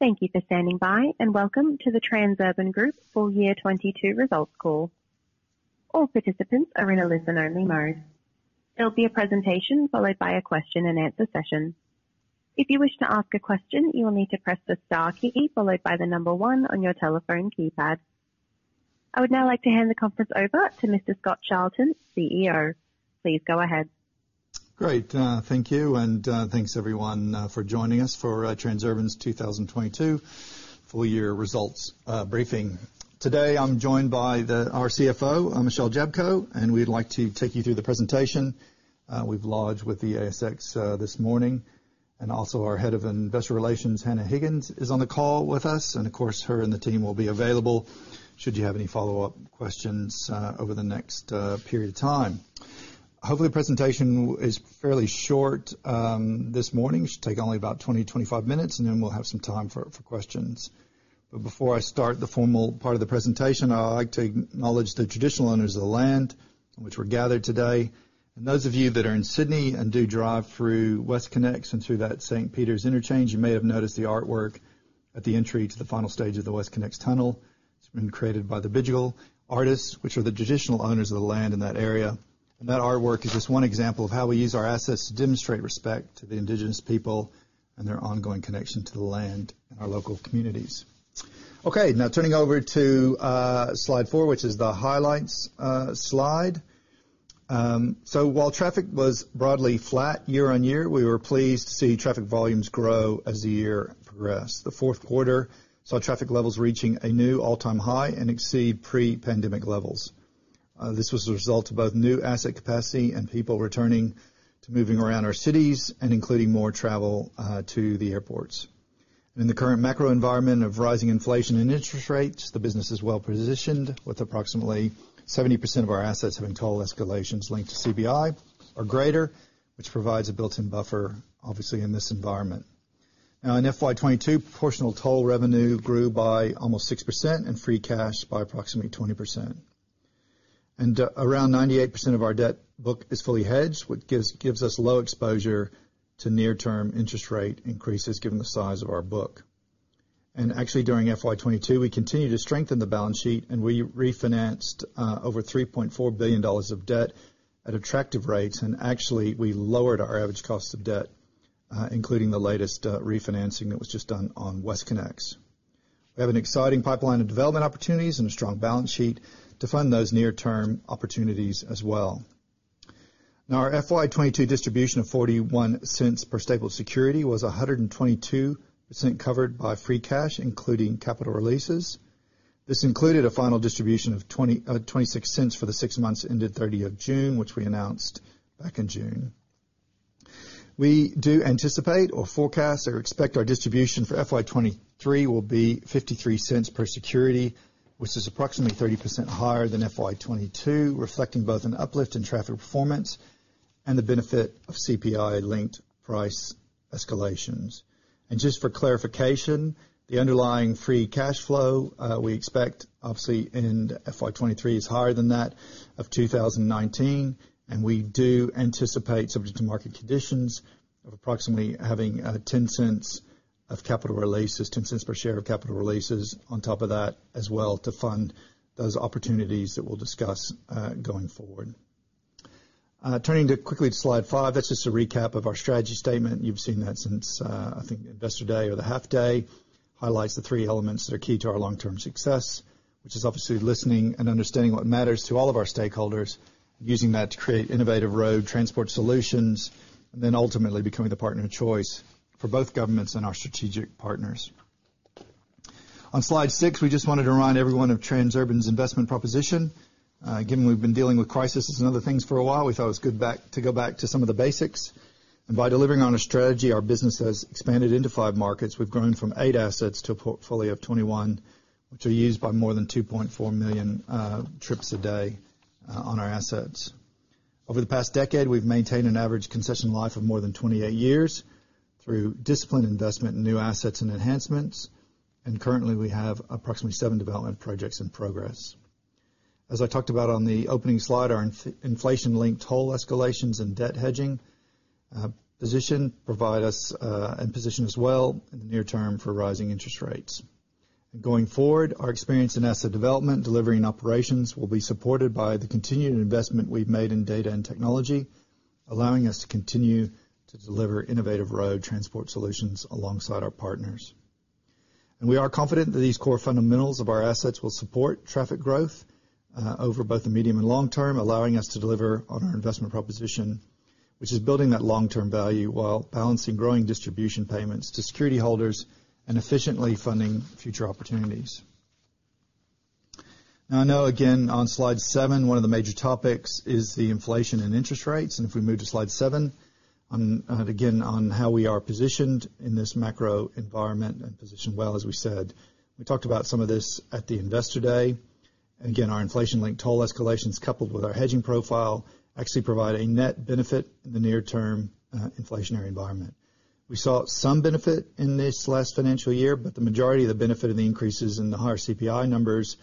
Thank you for standing by, and welcome to the Transurban Group full year 2022 results call. All participants are in a listen-only mode. There'll be a presentation followed by a question and answer session. If you wish to ask a question, you will need to press the star key followed by the number one on your telephone keypad. I would now like to hand the conference over to Mr. Scott Charlton, CEO. Please go ahead. Great. Thank you, and thanks, everyone, for joining us for Transurban's 2022 full year results briefing. Today, I'm joined by our CFO, Michelle Jablko, and we'd like to take you through the presentation we've lodged with the ASX this morning. Our Head of Investor Relations, Hannah Higgins, is on the call with us. Of course, her and the team will be available should you have any follow-up questions over the next period of time. Hopefully, the presentation is fairly short this morning. It should take only about 20-25 minutes, and then we'll have some time for questions. Before I start the formal part of the presentation, I'd like to acknowledge the traditional owners of the land on which we're gathered today. Those of you that are in Sydney and do drive through WestConnex and through that St Peters interchange, you may have noticed the artwork at the entry to the final stage of the WestConnex tunnel. It's been created by the Bidjigal artists, which are the traditional owners of the land in that area. That artwork is just one example of how we use our assets to demonstrate respect to the indigenous people and their ongoing connection to the land in our local communities. Okay, now turning over to slide four, which is the highlights slide. While traffic was broadly flat year-on-year, we were pleased to see traffic volumes grow as the year progressed. The fourth quarter saw traffic levels reaching a new all-time high and exceed pre-pandemic levels. This was a result of both new asset capacity and people returning to moving around our cities and including more travel to the airports. In the current macro environment of rising inflation and interest rates, the business is well-positioned, with approximately 70% of our assets having toll escalations linked to CPI or greater, which provides a built-in buffer, obviously, in this environment. Now in FY 2022, proportional toll revenue grew by almost 6% and free cash by approximately 20%. Around 98% of our debt book is fully hedged, which gives us low exposure to near-term interest rate increases given the size of our book. Actually, during FY 2022, we continued to strengthen the balance sheet and we refinanced over 3.4 billion dollars of debt at attractive rates. Actually, we lowered our average cost of debt, including the latest refinancing that was just done on WestConnex. We have an exciting pipeline of development opportunities and a strong balance sheet to fund those near-term opportunities as well. Now, our FY 2022 distribution of 0.41 per Stapled Security was 122% covered by Free Cash, including Capital Releases. This included a final distribution of 0.26 for the six months ended 30th June, which we announced back in June. We do anticipate or forecast or expect our distribution for FY 2023 will be 0.53 per security, which is approximately 30% higher than FY 2022, reflecting both an uplift in traffic performance and the benefit of CPI-linked price escalations. Just for clarification, the underlying free cash flow we expect obviously in FY 2023 is higher than that of 2019, and we do anticipate subject to market conditions of approximately having 0.10 of Capital Releases, 0.10 per share of Capital Releases on top of that as well to fund those opportunities that we'll discuss going forward. Turning quickly to slide five. That's just a recap of our strategy statement. You've seen that since I think Investor Day or the half day. Highlights the three elements that are key to our long-term success, which is obviously listening and understanding what matters to all of our stakeholders, using that to create innovative road transport solutions, and then ultimately becoming the partner of choice for both governments and our strategic partners. On slide six, we just wanted to remind everyone of Transurban's investment proposition. Given we've been dealing with crisis and some other things for a while, we thought it was good to go back to some of the basics. By delivering on our strategy, our business has expanded into five markets. We've grown from eight assets to a portfolio of 21, which are used by more than 2.4 million trips a day on our assets. Over the past decade, we've maintained an average concession life of more than 28 years through disciplined investment in new assets and enhancements. Currently, we have approximately seven development projects in progress. As I talked about on the opening slide, our inflation-linked toll escalations and debt hedging position us well in the near term for rising interest rates. Going forward, our experience in asset development, delivery, and operations will be supported by the continued investment we've made in data and technology, allowing us to continue to deliver innovative road transport solutions alongside our partners. We are confident that these core fundamentals of our assets will support traffic growth over both the medium and long term, allowing us to deliver on our investment proposition, which is building that long-term value while balancing growing distribution payments to security holders and efficiently funding future opportunities. Now, I know, again, on slide seven, one of the major topics is the inflation and interest rates. If we move to slide seven on, again, on how we are positioned in this macro environment and positioned well, as we said. We talked about some of this at the Investor Day. Again, our inflation-linked toll escalations, coupled with our hedging profile, actually provide a net benefit in the near term, inflationary environment. We saw some benefit in this last financial year, but the majority of the benefit of the increases in the higher CPI numbers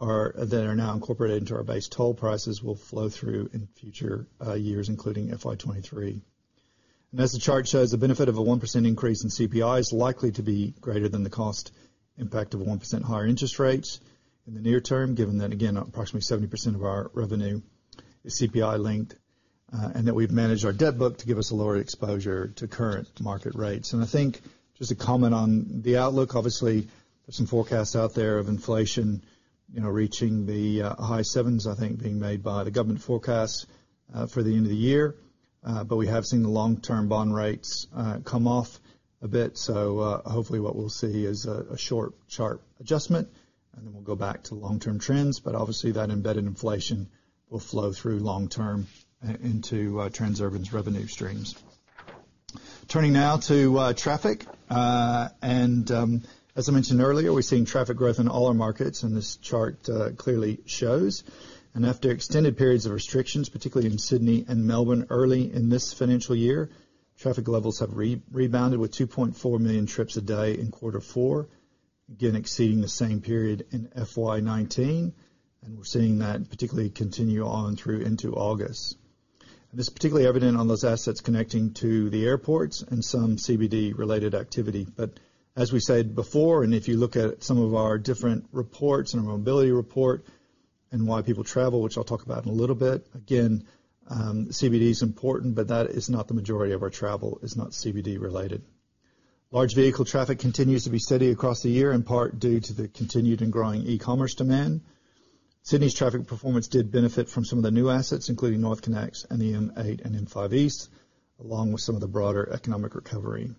that are now incorporated into our base toll prices will flow through in future years, including FY 2023. As the chart shows, the benefit of a 1% increase in CPI is likely to be greater than the cost impact of a 1% higher interest rates in the near term, given that, again, approximately 70% of our revenue is CPI linked, and that we've managed our debt book to give us a lower exposure to current market rates. I think just to comment on the outlook, obviously, there's some forecasts out there of inflation, you know, reaching the high sevens, I think being made by the government forecasts for the end of the year. We have seen the long-term bond rates come off a bit. Hopefully what we'll see is a short, sharp adjustment, and then we'll go back to long-term trends. Obviously, that embedded inflation will flow through long term into Transurban's revenue streams. Turning now to traffic. As I mentioned earlier, we're seeing traffic growth in all our markets, and this chart clearly shows. After extended periods of restrictions, particularly in Sydney and Melbourne, early in this financial year, traffic levels have rebounded with 2.4 million trips a day in quarter four, again exceeding the same period in FY 2019. We're seeing that particularly continue on through into August. This is particularly evident on those assets connecting to the airports and some CBD related activity. As we said before, and if you look at some of our different reports and our mobility report and why people travel, which I'll talk about in a little bit. Again, CBD is important, but that is not the majority of our travel. It's not CBD related. Large vehicle traffic continues to be steady across the year, in part due to the continued and growing e-commerce demand. Sydney's traffic performance did benefit from some of the new assets, including NorthConnex and the M8 and M5 East, along with some of the broader economic recovery.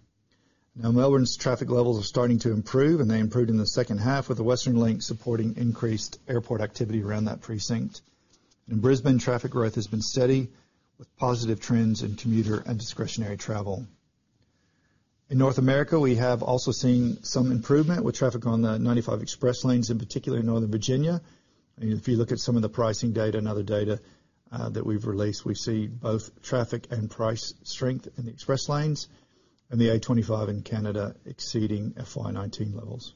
Now, Melbourne's traffic levels are starting to improve, and they improved in the second half with the Western Link supporting increased airport activity around that precinct. In Brisbane, traffic growth has been steady with positive trends in commuter and discretionary travel. In North America, we have also seen some improvement with traffic on the 95 Express Lanes, in particular in Northern Virginia. If you look at some of the pricing data and other data, that we've released, we see both traffic and price strength in the Express Lanes and the A25 in Canada exceeding FY 2019 levels.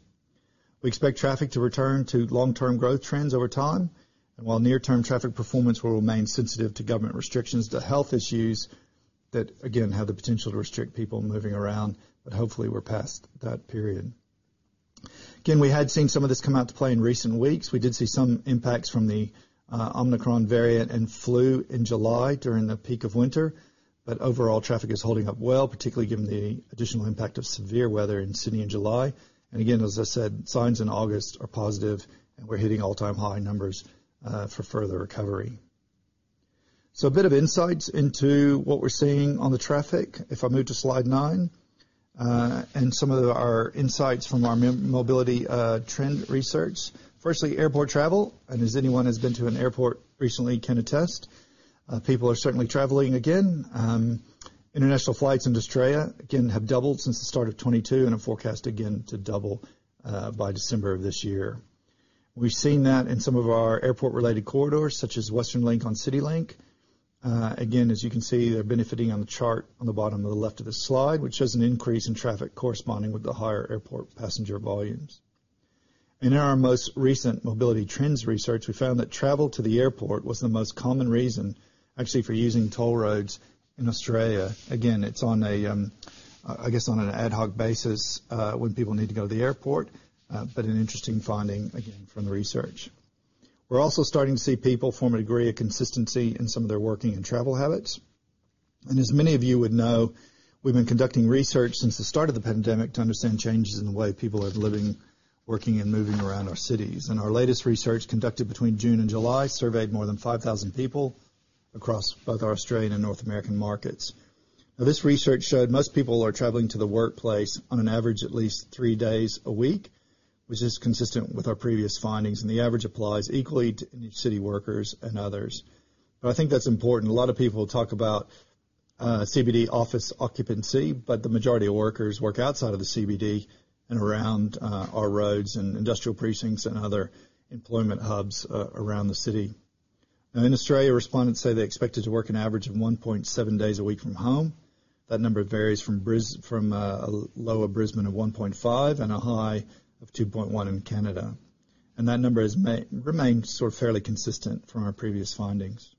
We expect traffic to return to long-term growth trends over time. While near-term traffic performance will remain sensitive to government restrictions to health issues that again have the potential to restrict people moving around, but hopefully we're past that period. Again, we had seen some of this come into play in recent weeks. We did see some impacts from the Omicron variant and flu in July during the peak of winter. Overall traffic is holding up well, particularly given the additional impact of severe weather in Sydney in July. Again, as I said, signs in August are positive and we're hitting all-time high numbers for further recovery. A bit of insights into what we're seeing on the traffic. If I move to slide 9 and some of our insights from our mobility trend research. Firstly, airport travel, and as anyone has been to an airport recently can attest, people are certainly traveling again. International flights in Australia, again, have doubled since the start of 2022 and are forecast again to double, by December of this year. We've seen that in some of our airport-related corridors, such as Western Link on CityLink. Again, as you can see, they're benefiting on the chart on the bottom of the left of the slide, which shows an increase in traffic corresponding with the higher airport passenger volumes. In our most recent mobility trends research, we found that travel to the airport was the most common reason actually for using toll roads in Australia. Again, it's on a, I guess, on an ad hoc basis, when people need to go to the airport, but an interesting finding, again, from the research. We're also starting to see people form a degree of consistency in some of their working and travel habits. As many of you would know, we've been conducting research since the start of the pandemic to understand changes in the way people are living, working, and moving around our cities. Our latest research conducted between June and July surveyed more than 5,000 people across both our Australian and North American markets. Now, this research showed most people are traveling to the workplace on an average at least three days a week, which is consistent with our previous findings, and the average applies equally to city workers and others. I think that's important. A lot of people talk about CBD office occupancy, but the majority of workers work outside of the CBD and around our roads and industrial precincts and other employment hubs around the city. Now in Australia, respondents say they expected to work an average of 1.7 days a week from home. That number varies from a low of 1.5 in Brisbane and a high of 2.1 in Canada. That number has remained sort of fairly consistent from our previous findings.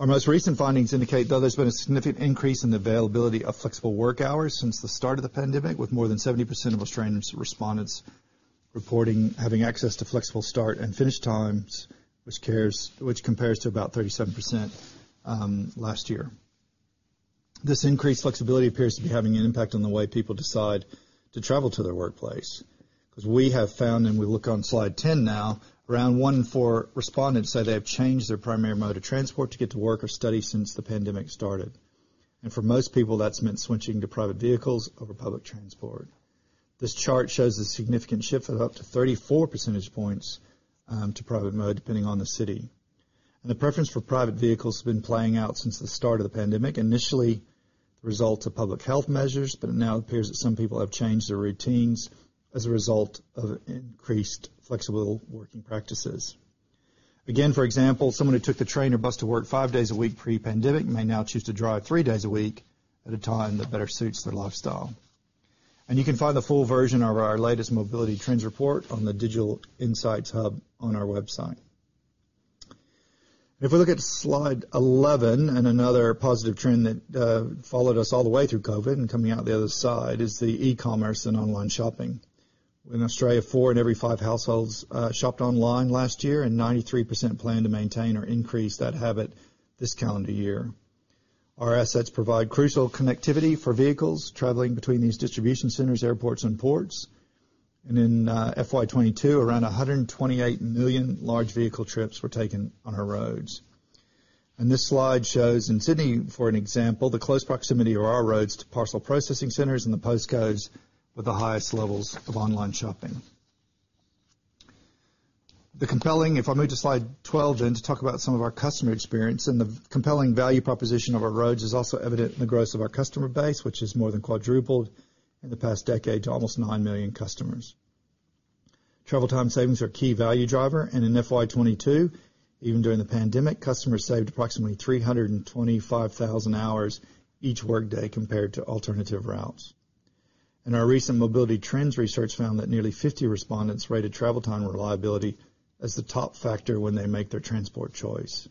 Our most recent findings indicate, though there's been a significant increase in the availability of flexible work hours since the start of the pandemic, with more than 70% of Australian respondents reporting having access to flexible start and finish times, which compares to about 37% last year. This increased flexibility appears to be having an impact on the way people decide to travel to their workplace, 'cause we have found, and we look on slide 10 now, around one in four respondents say they have changed their primary mode of transport to get to work or study since the pandemic started. For most people, that's meant switching to private vehicles over public transport. This chart shows a significant shift of up to 34 percentage points to private mode, depending on the city. The preference for private vehicles has been playing out since the start of the pandemic. Initially, the result of public health measures, but it now appears that some people have changed their routines as a result of increased flexible working practices. Again, for example, someone who took the train or bus to work five days a week pre-pandemic may now choose to drive three days a week at a time that better suits their lifestyle. You can find the full version of our latest mobility trends report on the Digital Insights Hub on our website. If we look at slide 11, another positive trend that followed us all the way through COVID and coming out the other side is the e-commerce and online shopping. In Australia, four in every five households shopped online last year, and 93% plan to maintain or increase that habit this calendar year. Our assets provide crucial connectivity for vehicles traveling between these distribution centers, airports, and ports. In FY 2022, around 128 million large vehicle trips were taken on our roads. This slide shows in Sydney, for example, the close proximity of our roads to parcel processing centers and the post codes with the highest levels of online shopping. If I move to slide 12 then to talk about some of our customer experience, the compelling value proposition of our roads is also evident in the growth of our customer base, which has more than quadrupled in the past decade to almost 9 million customers. Travel time savings are a key value driver. In FY22, even during the pandemic, customers saved approximately 325,000 hours each workday compared to alternative routes. Our recent mobility trends research found that nearly 50% respondents rated travel time reliability as the top factor when they make their transport choice.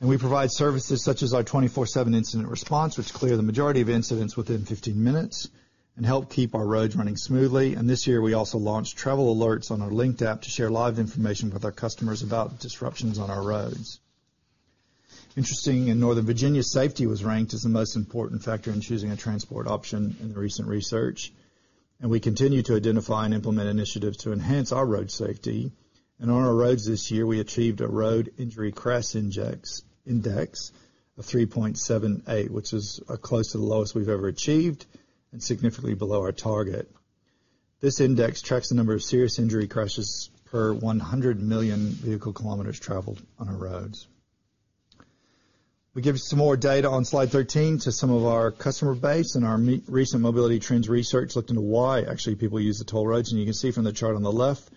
We provide services such as our 24/7 incident response, which clear the majority of incidents within 15 minutes and help keep our roads running smoothly. This year, we also launched travel alerts on our Linkt app to share live information with our customers about disruptions on our roads. Interesting, in Northern Virginia, safety was ranked as the most important factor in choosing a transport option in the recent research. We continue to identify and implement initiatives to enhance our road safety. On our roads this year, we achieved a Road Injury Crash Index of 3.78, which is close to the lowest we've ever achieved and significantly below our target. This index tracks the number of serious injury crashes per 100 million vehicle kilometers traveled on our roads. We give some more data on slide 13 to some of our customer base. Our recent mobility trends research looked into why actually people use the toll roads. You can see from the chart on the left,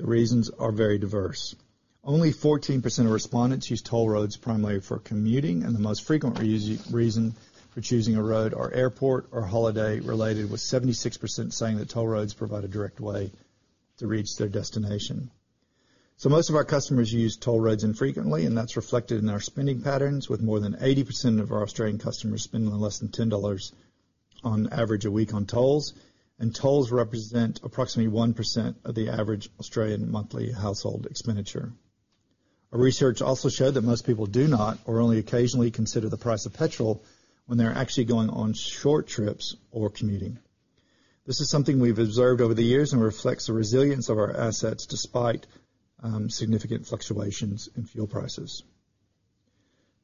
the reasons are very diverse. Only 14% of respondents use toll roads primarily for commuting, and the most frequent reason for choosing a road are airport or holiday related, with 76% saying that toll roads provide a direct way to reach their destination. Most of our customers use toll roads infrequently, and that's reflected in their spending patterns, with more than 80% of our Australian customers spending less than 10 dollars on average a week on tolls. Tolls represent approximately 1% of the average Australian monthly household expenditure. Our research also showed that most people do not or only occasionally consider the price of petrol when they're actually going on short trips or commuting. This is something we've observed over the years and reflects the resilience of our assets despite significant fluctuations in fuel prices.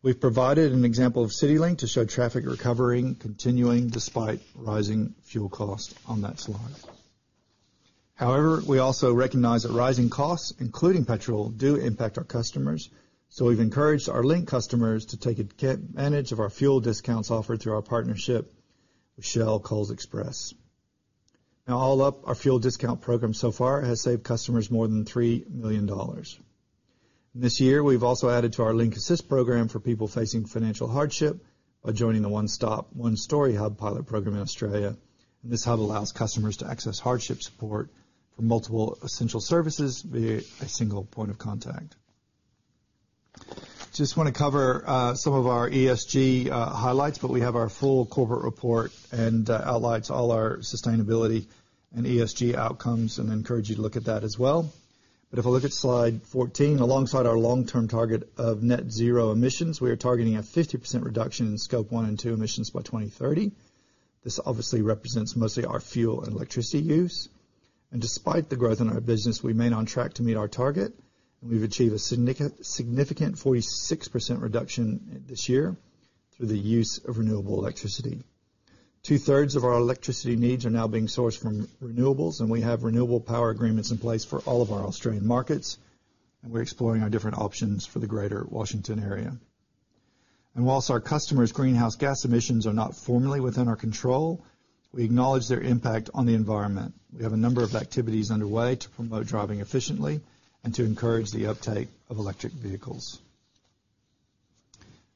We've provided an example of CityLink to show traffic recovering, continuing despite rising fuel costs on that slide. However, we also recognize that rising costs, including petrol, do impact our customers, so we've encouraged our Link customers to take advantage of our fuel discounts offered through our partnership with Shell Coles Express. Now all up, our fuel discount program so far has saved customers more than 3 million dollars. This year, we've also added to our Linkt Assist program for people facing financial hardship by joining the One Stop One Story Hub pilot program in Australia. This hub allows customers to access hardship support for multiple essential services via a single point of contact. Just wanna cover some of our ESG highlights, but we have our full corporate report and outlines all our sustainability and ESG outcomes, and encourage you to look at that as well. If I look at slide 14, alongside our long-term target of net zero emissions, we are targeting a 50% reduction in Scope 1 and 2 emissions by 2030. This obviously represents mostly our fuel and electricity use. Despite the growth in our business, we remain on track to meet our target, and we've achieved a significant 46% reduction this year through the use of renewable electricity. Two-thirds of our electricity needs are now being sourced from renewables, and we have renewable power agreements in place for all of our Australian markets, and we're exploring our different options for the greater Washington area. While our customers' greenhouse gas emissions are not formally within our control, we acknowledge their impact on the environment. We have a number of activities underway to promote driving efficiently and to encourage the uptake of electric vehicles.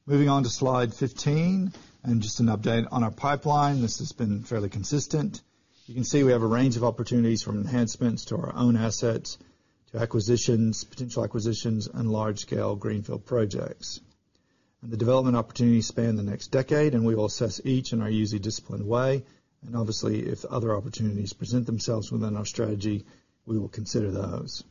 Moving on to slide 15 and just an update on our pipeline. This has been fairly consistent. You can see we have a range of opportunities from enhancements to our own assets, to acquisitions, potential acquisitions, and large-scale greenfield projects. The development opportunities span the next decade, and we will assess each in our usually disciplined way. Obviously, if other opportunities present themselves within our strategy, we will consider those.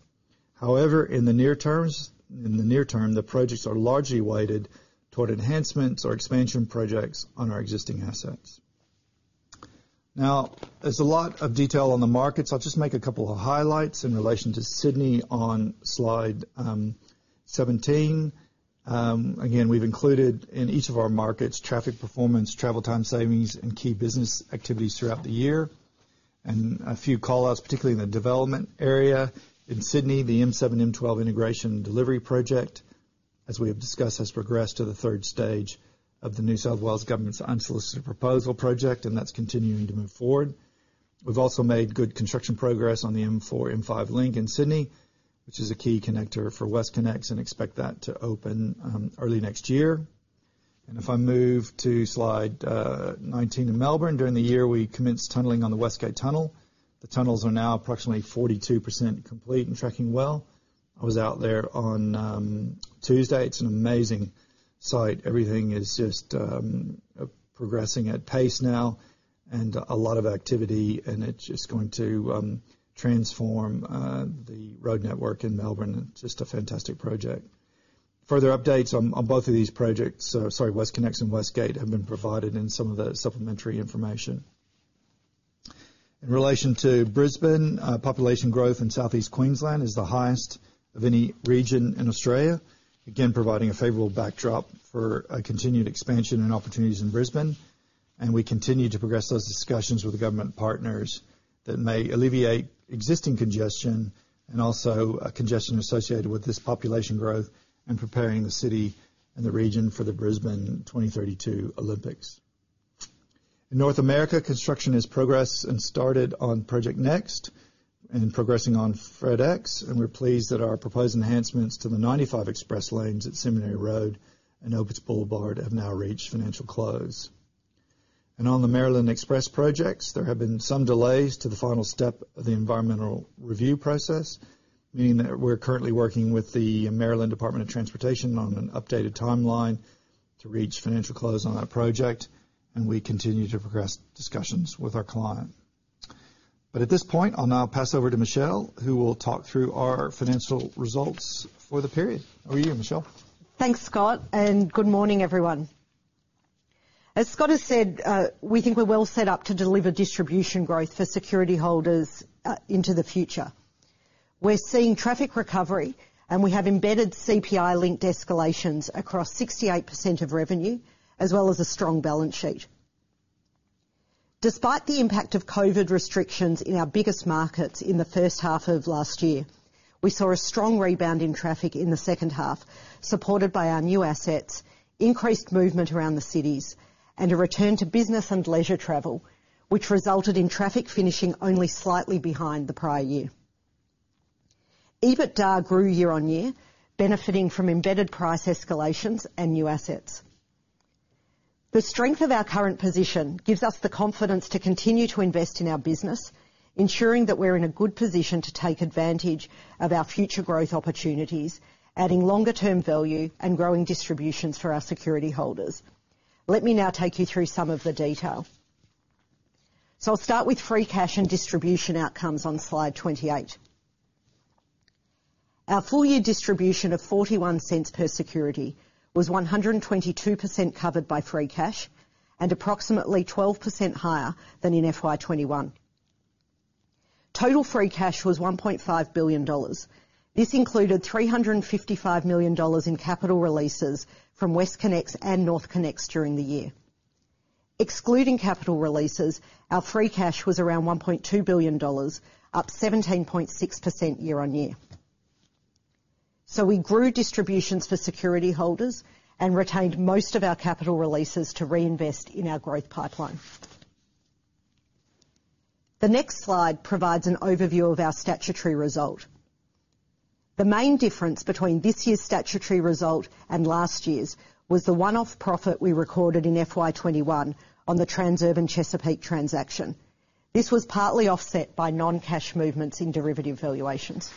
However, in the near term, the projects are largely weighted toward enhancements or expansion projects on our existing assets. Now, there's a lot of detail on the markets. I'll just make a couple of highlights in relation to Sydney on slide 17. Again, we've included in each of our markets traffic performance, travel time savings, and key business activities throughout the year. A few callouts, particularly in the development area. In Sydney, the M7, M12 integration delivery project, as we have discussed, has progressed to the third stage of the New South Wales Government's Unsolicited Proposal project, and that's continuing to move forward. We've also made good construction progress on the M4-M5 Link in Sydney, which is a key connector for WestConnex, and expect that to open early next year. If I move to slide 19 in Melbourne, during the year, we commenced tunneling on the West Gate Tunnel. The tunnels are now approximately 42% complete and tracking well. I was out there on Tuesday. It's an amazing site. Everything is just progressing at pace now, and a lot of activity, and it's just going to transform the road network in Melbourne. Just a fantastic project. Further updates on both of these projects, sorry, WestConnex and West Gate, have been provided in some of the supplementary information. In relation to Brisbane, population growth in Southeast Queensland is the highest of any region in Australia, again, providing a favorable backdrop for a continued expansion and opportunities in Brisbane. We continue to progress those discussions with the government partners that may alleviate existing congestion and also congestion associated with this population growth and preparing the city and the region for the Brisbane 2032 Olympics. In North America, construction has progressed and started on Project NEXT and progressing on Fredericksburg Extension, and we're pleased that our proposed enhancements to the 95 Express Lanes at Seminary Road and Opitz Boulevard have now reached financial close. On the Maryland Express Lanes, there have been some delays to the final step of the environmental review process, meaning that we're currently working with the Maryland Department of Transportation on an updated timeline to reach financial close on that project, and we continue to progress discussions with our client. At this point, I'll now pass over to Michelle, who will talk through our financial results for the period. Over to you, Michelle. Thanks, Scott, and good morning, everyone. As Scott has said, we think we're well set up to deliver distribution growth for security holders, into the future. We're seeing traffic recovery, and we have embedded CPI-linked escalations across 68% of revenue as well as a strong balance sheet. Despite the impact of COVID restrictions in our biggest markets in the first half of last year, we saw a strong rebound in traffic in the second half, supported by our new assets, increased movement around the cities, and a return to business and leisure travel, which resulted in traffic finishing only slightly behind the prior year. EBITDA grew year-on-year, benefiting from embedded price escalations and new assets. The strength of our current position gives us the confidence to continue to invest in our business, ensuring that we're in a good position to take advantage of our future growth opportunities, adding longer term value and growing distributions for our security holders. Let me now take you through some of the detail. I'll start with free cash and distribution outcomes on slide 28. Our full year distribution of 0.41 per security was 122% covered by free cash and approximately 12% higher than in FY 2021. Total free cash was 1.5 billion dollars. This included 355 million dollars in capital releases from WestConnex and NorthConnex during the year. Excluding capital releases, our free cash was around 1.2 billion dollars, up 17.6% year-on-year. We grew distributions for security holders and retained most of our capital releases to reinvest in our growth pipeline. The next slide provides an overview of our statutory result. The main difference between this year's statutory result and last year's was the one-off profit we recorded in FY 2021 on the Transurban Chesapeake transaction. This was partly offset by non-cash movements in derivative valuations.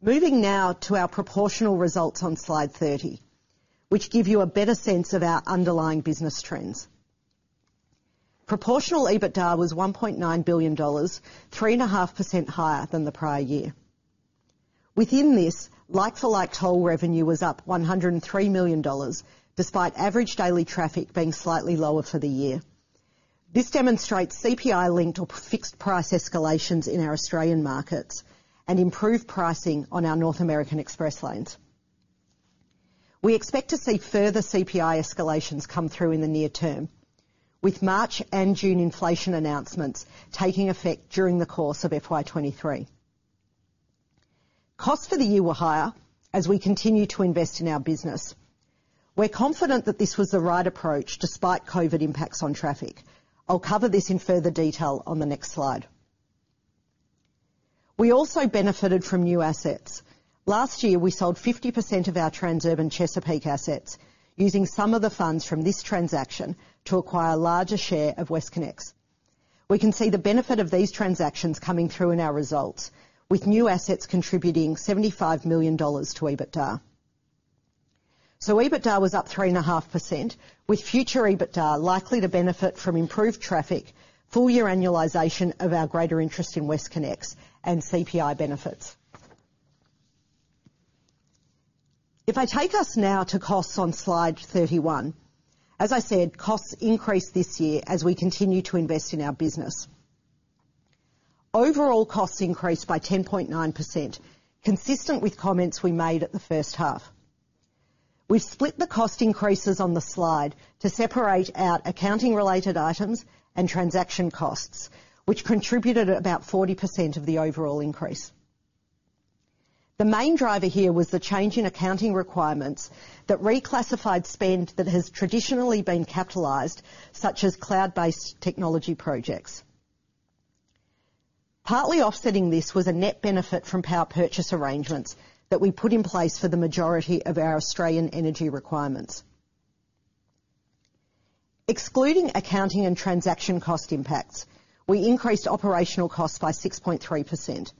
Moving now to our proportional results on slide 30, which give you a better sense of our underlying business trends. Proportional EBITDA was 1.9 billion dollars, 3.5% higher than the prior year. Within this, like for like toll revenue was up 103 million dollars, despite average daily traffic being slightly lower for the year. This demonstrates CPI-linked or fixed price escalations in our Australian markets and improved pricing on our North American express lanes. We expect to see further CPI escalations come through in the near term, with March and June inflation announcements taking effect during the course of FY 2023. Costs for the year were higher as we continue to invest in our business. We're confident that this was the right approach despite COVID impacts on traffic. I'll cover this in further detail on the next slide. We also benefited from new assets. Last year, we sold 50% of our Transurban Chesapeake assets, using some of the funds from this transaction to acquire a larger share of WestConnex. We can see the benefit of these transactions coming through in our results, with new assets contributing 75 million dollars to EBITDA. EBITDA was up 3.5%, with future EBITDA likely to benefit from improved traffic, full year annualization of our greater interest in WestConnex, and CPI benefits. If I take us now to costs on slide 31, as I said, costs increased this year as we continue to invest in our business. Overall costs increased by 10.9%, consistent with comments we made at the first half. We've split the cost increases on the slide to separate out accounting related items and transaction costs, which contributed about 40% of the overall increase. The main driver here was the change in accounting requirements that reclassified spend that has traditionally been capitalized, such as cloud-based technology projects. Partly offsetting this was a net benefit from power purchase arrangements that we put in place for the majority of our Australian energy requirements. Excluding accounting and transaction cost impacts, we increased operational costs by 6.3%.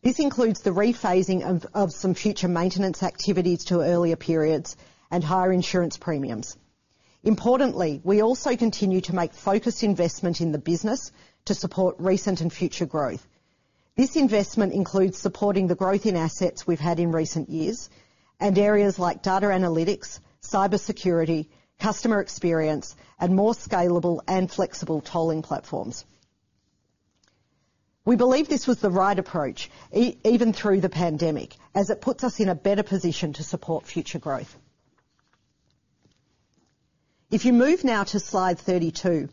This includes the rephasing of some future maintenance activities to earlier periods and higher insurance premiums. Importantly, we also continue to make focused investment in the business to support recent and future growth. This investment includes supporting the growth in assets we've had in recent years, and areas like data analytics, cyber security, customer experience, and more scalable and flexible tolling platforms. We believe this was the right approach even through the pandemic, as it puts us in a better position to support future growth. If you move now to slide 32,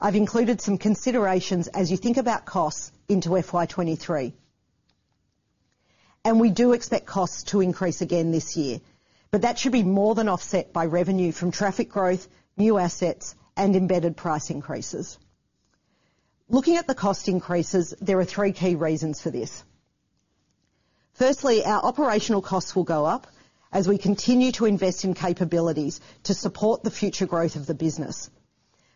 I've included some considerations as you think about costs into FY 2023. We do expect costs to increase again this year, but that should be more than offset by revenue from traffic growth, new assets, and embedded price increases. Looking at the cost increases, there are three key reasons for this. Firstly, our operational costs will go up as we continue to invest in capabilities to support the future growth of the business.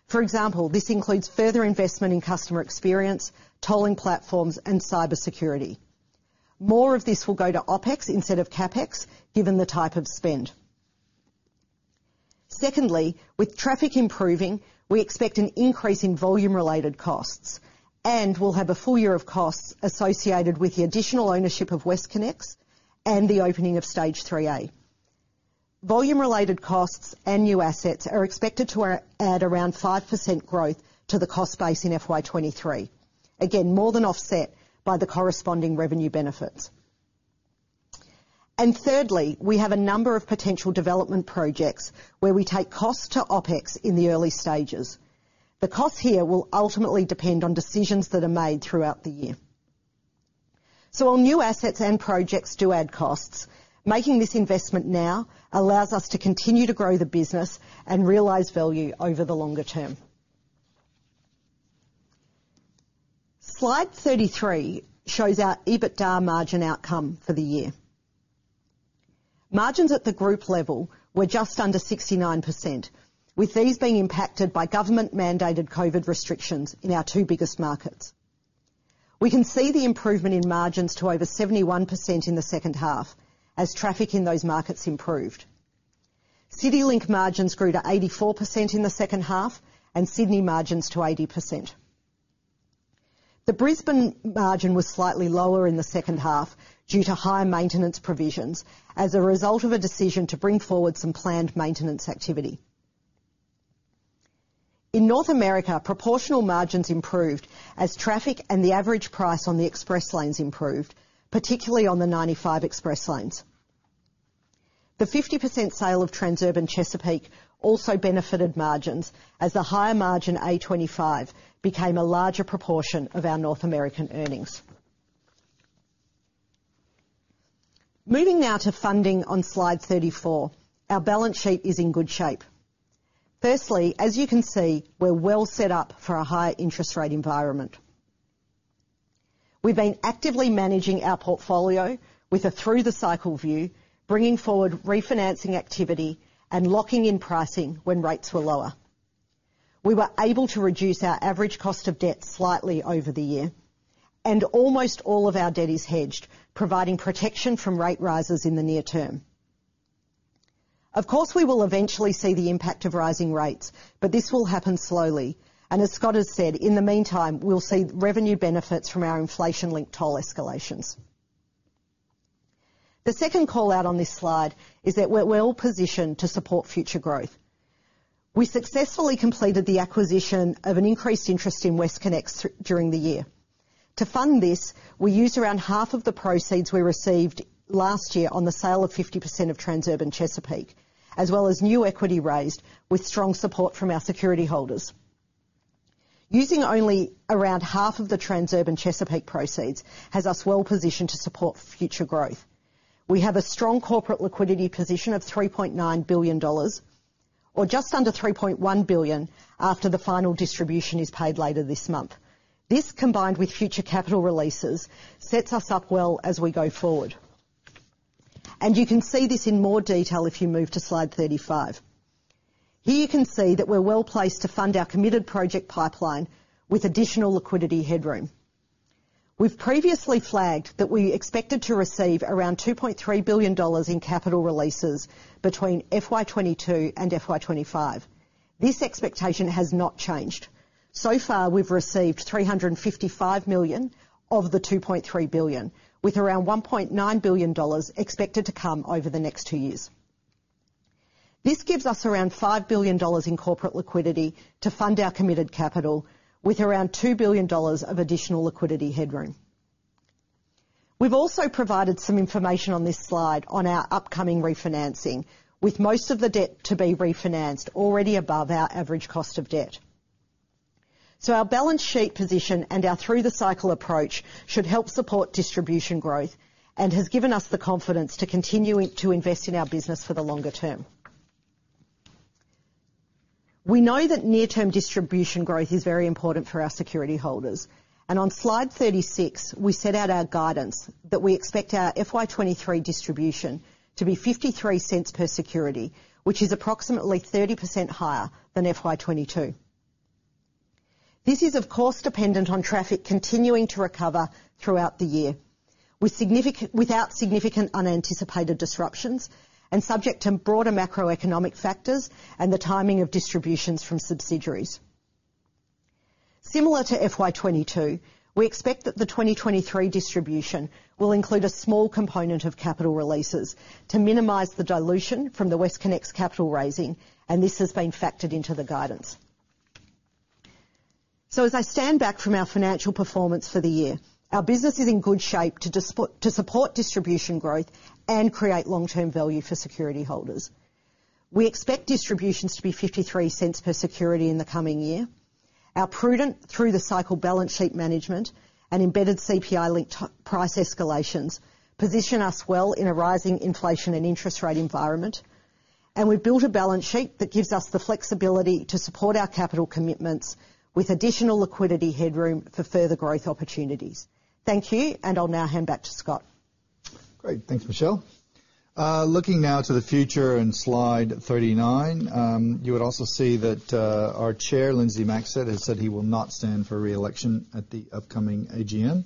For example, this includes further investment in customer experience, tolling platforms, and cyber security. More of this will go to OpEx instead of CapEx, given the type of spend. Secondly, with traffic improving, we expect an increase in volume-related costs, and we'll have a full year of costs associated with the additional ownership of WestConnex and the opening of Stage 3A. Volume-related costs and new assets are expected to add around 5% growth to the cost base in FY 2023. Again, more than offset by the corresponding revenue benefits. Thirdly, we have a number of potential development projects where we take costs to OpEx in the early stages. The cost here will ultimately depend on decisions that are made throughout the year. While new assets and projects do add costs, making this investment now allows us to continue to grow the business and realize value over the longer term. Slide 33 shows our EBITDA margin outcome for the year. Margins at the group level were just under 69%, with these being impacted by government-mandated COVID restrictions in our two biggest markets. We can see the improvement in margins to over 71% in the second half as traffic in those markets improved. CityLink margins grew to 84% in the second half, and Sydney margins to 80%. The Brisbane margin was slightly lower in the second half due to high maintenance provisions as a result of a decision to bring forward some planned maintenance activity. In North America, proportional margins improved as traffic and the average price on the express lanes improved, particularly on the 95 Express Lanes. The 50% sale of Transurban Chesapeake also benefited margins as the higher margin A25 became a larger proportion of our North American earnings. Moving now to funding on slide 34, our balance sheet is in good shape. Firstly, as you can see, we're well set up for a higher interest rate environment. We've been actively managing our portfolio with a through the cycle view, bringing forward refinancing activity and locking in pricing when rates were lower. We were able to reduce our average cost of debt slightly over the year, and almost all of our debt is hedged, providing protection from rate rises in the near term. Of course, we will eventually see the impact of rising rates, but this will happen slowly. As Scott has said, in the meantime, we'll see revenue benefits from our inflation-linked toll escalations. The second callout on this slide is that we're well-positioned to support future growth. We successfully completed the acquisition of an increased interest in WestConnex during the year. To fund this, we used around half of the proceeds we received last year on the sale of 50% of Transurban Chesapeake, as well as new equity raised with strong support from our security holders. Using only around half of the Transurban Chesapeake proceeds has us well positioned to support future growth. We have a strong corporate liquidity position of 3.9 billion dollars, or just under 3.1 billion after the final distribution is paid later this month. This, combined with future capital releases, sets us up well as we go forward. You can see this in more detail if you move to slide 35. Here you can see that we're well-placed to fund our committed project pipeline with additional liquidity headroom. We've previously flagged that we expected to receive around 2.3 billion dollars in Capital Releases between FY 2022 and FY 2025. This expectation has not changed. So far, we've received 355 million of the 2.3 billion, with around 1.9 billion dollars expected to come over the next two years. This gives us around 5 billion dollars in corporate liquidity to fund our committed capital, with around 2 billion dollars of additional liquidity headroom. We've also provided some information on this slide on our upcoming refinancing, with most of the debt to be refinanced already above our average cost of debt. Our balance sheet position and our through the cycle approach should help support distribution growth and has given us the confidence to continue to invest in our business for the longer term. We know that near-term distribution growth is very important for our security holders. On slide 36, we set out our guidance that we expect our FY 2023 distribution to be 0.53 per security, which is approximately 30% higher than FY 2022. This is of course dependent on traffic continuing to recover throughout the year, without significant unanticipated disruptions and subject to broader macroeconomic factors and the timing of distributions from subsidiaries. Similar to FY 2022, we expect that the 2023 distribution will include a small component of Capital Releases to minimize the dilution from the WestConnex capital raising, and this has been factored into the guidance. I stand back from our financial performance for the year, our business is in good shape to support distribution growth and create long-term value for security holders. We expect distributions to be 0.53 per security in the coming year. Our prudent through the cycle balance sheet management and embedded CPI-linked price escalations position us well in a rising inflation and interest rate environment. We've built a balance sheet that gives us the flexibility to support our capital commitments with additional liquidity headroom for further growth opportunities. Thank you, and I'll now hand back to Scott. Great. Thanks, Michelle. Looking now to the future in slide 39, you would also see that our Chair, Lindsay Maxsted, has said he will not stand for re-election at the upcoming AGM.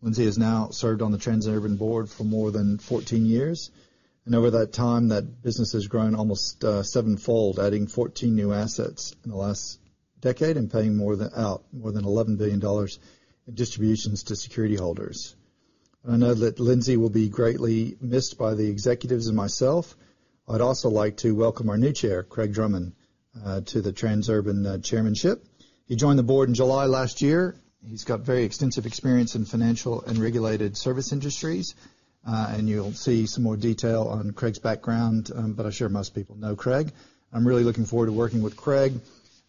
Lindsay has now served on the Transurban Board for more than 14 years, and over that time, that business has grown almost sevenfold, adding 14 new assets in the last decade and paying more than 11 billion dollars in distributions to security holders. I know that Lindsay will be greatly missed by the executives and myself. I'd also like to welcome our new Chair, Craig Drummond, to the Transurban chairmanship. He joined the Board in July last year. He's got very extensive experience in financial and regulated service industries, and you'll see some more detail on Craig's background, but I'm sure most people know Craig. I'm really looking forward to working with Craig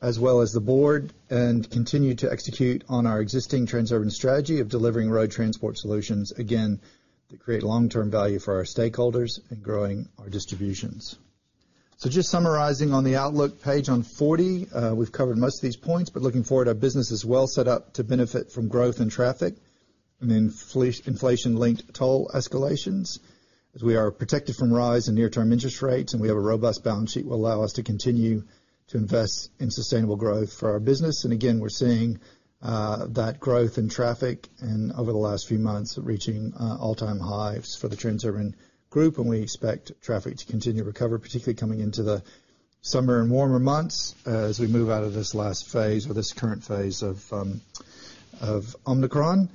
as well as the board and continue to execute on our existing Transurban strategy of delivering road transport solutions, again, to create long-term value for our stakeholders and growing our distributions. Just summarizing on the outlook page on 40, we've covered most of these points, but looking forward, our business is well set up to benefit from growth in traffic and inflation-linked toll escalations, as we are protected from rise in near-term interest rates, and we have a robust balance sheet will allow us to continue to invest in sustainable growth for our business. We're seeing that growth in traffic and over the last few months reaching all-time highs for the Transurban Group, and we expect traffic to continue to recover, particularly coming into the summer and warmer months as we move out of this last phase or this current phase of Omicron.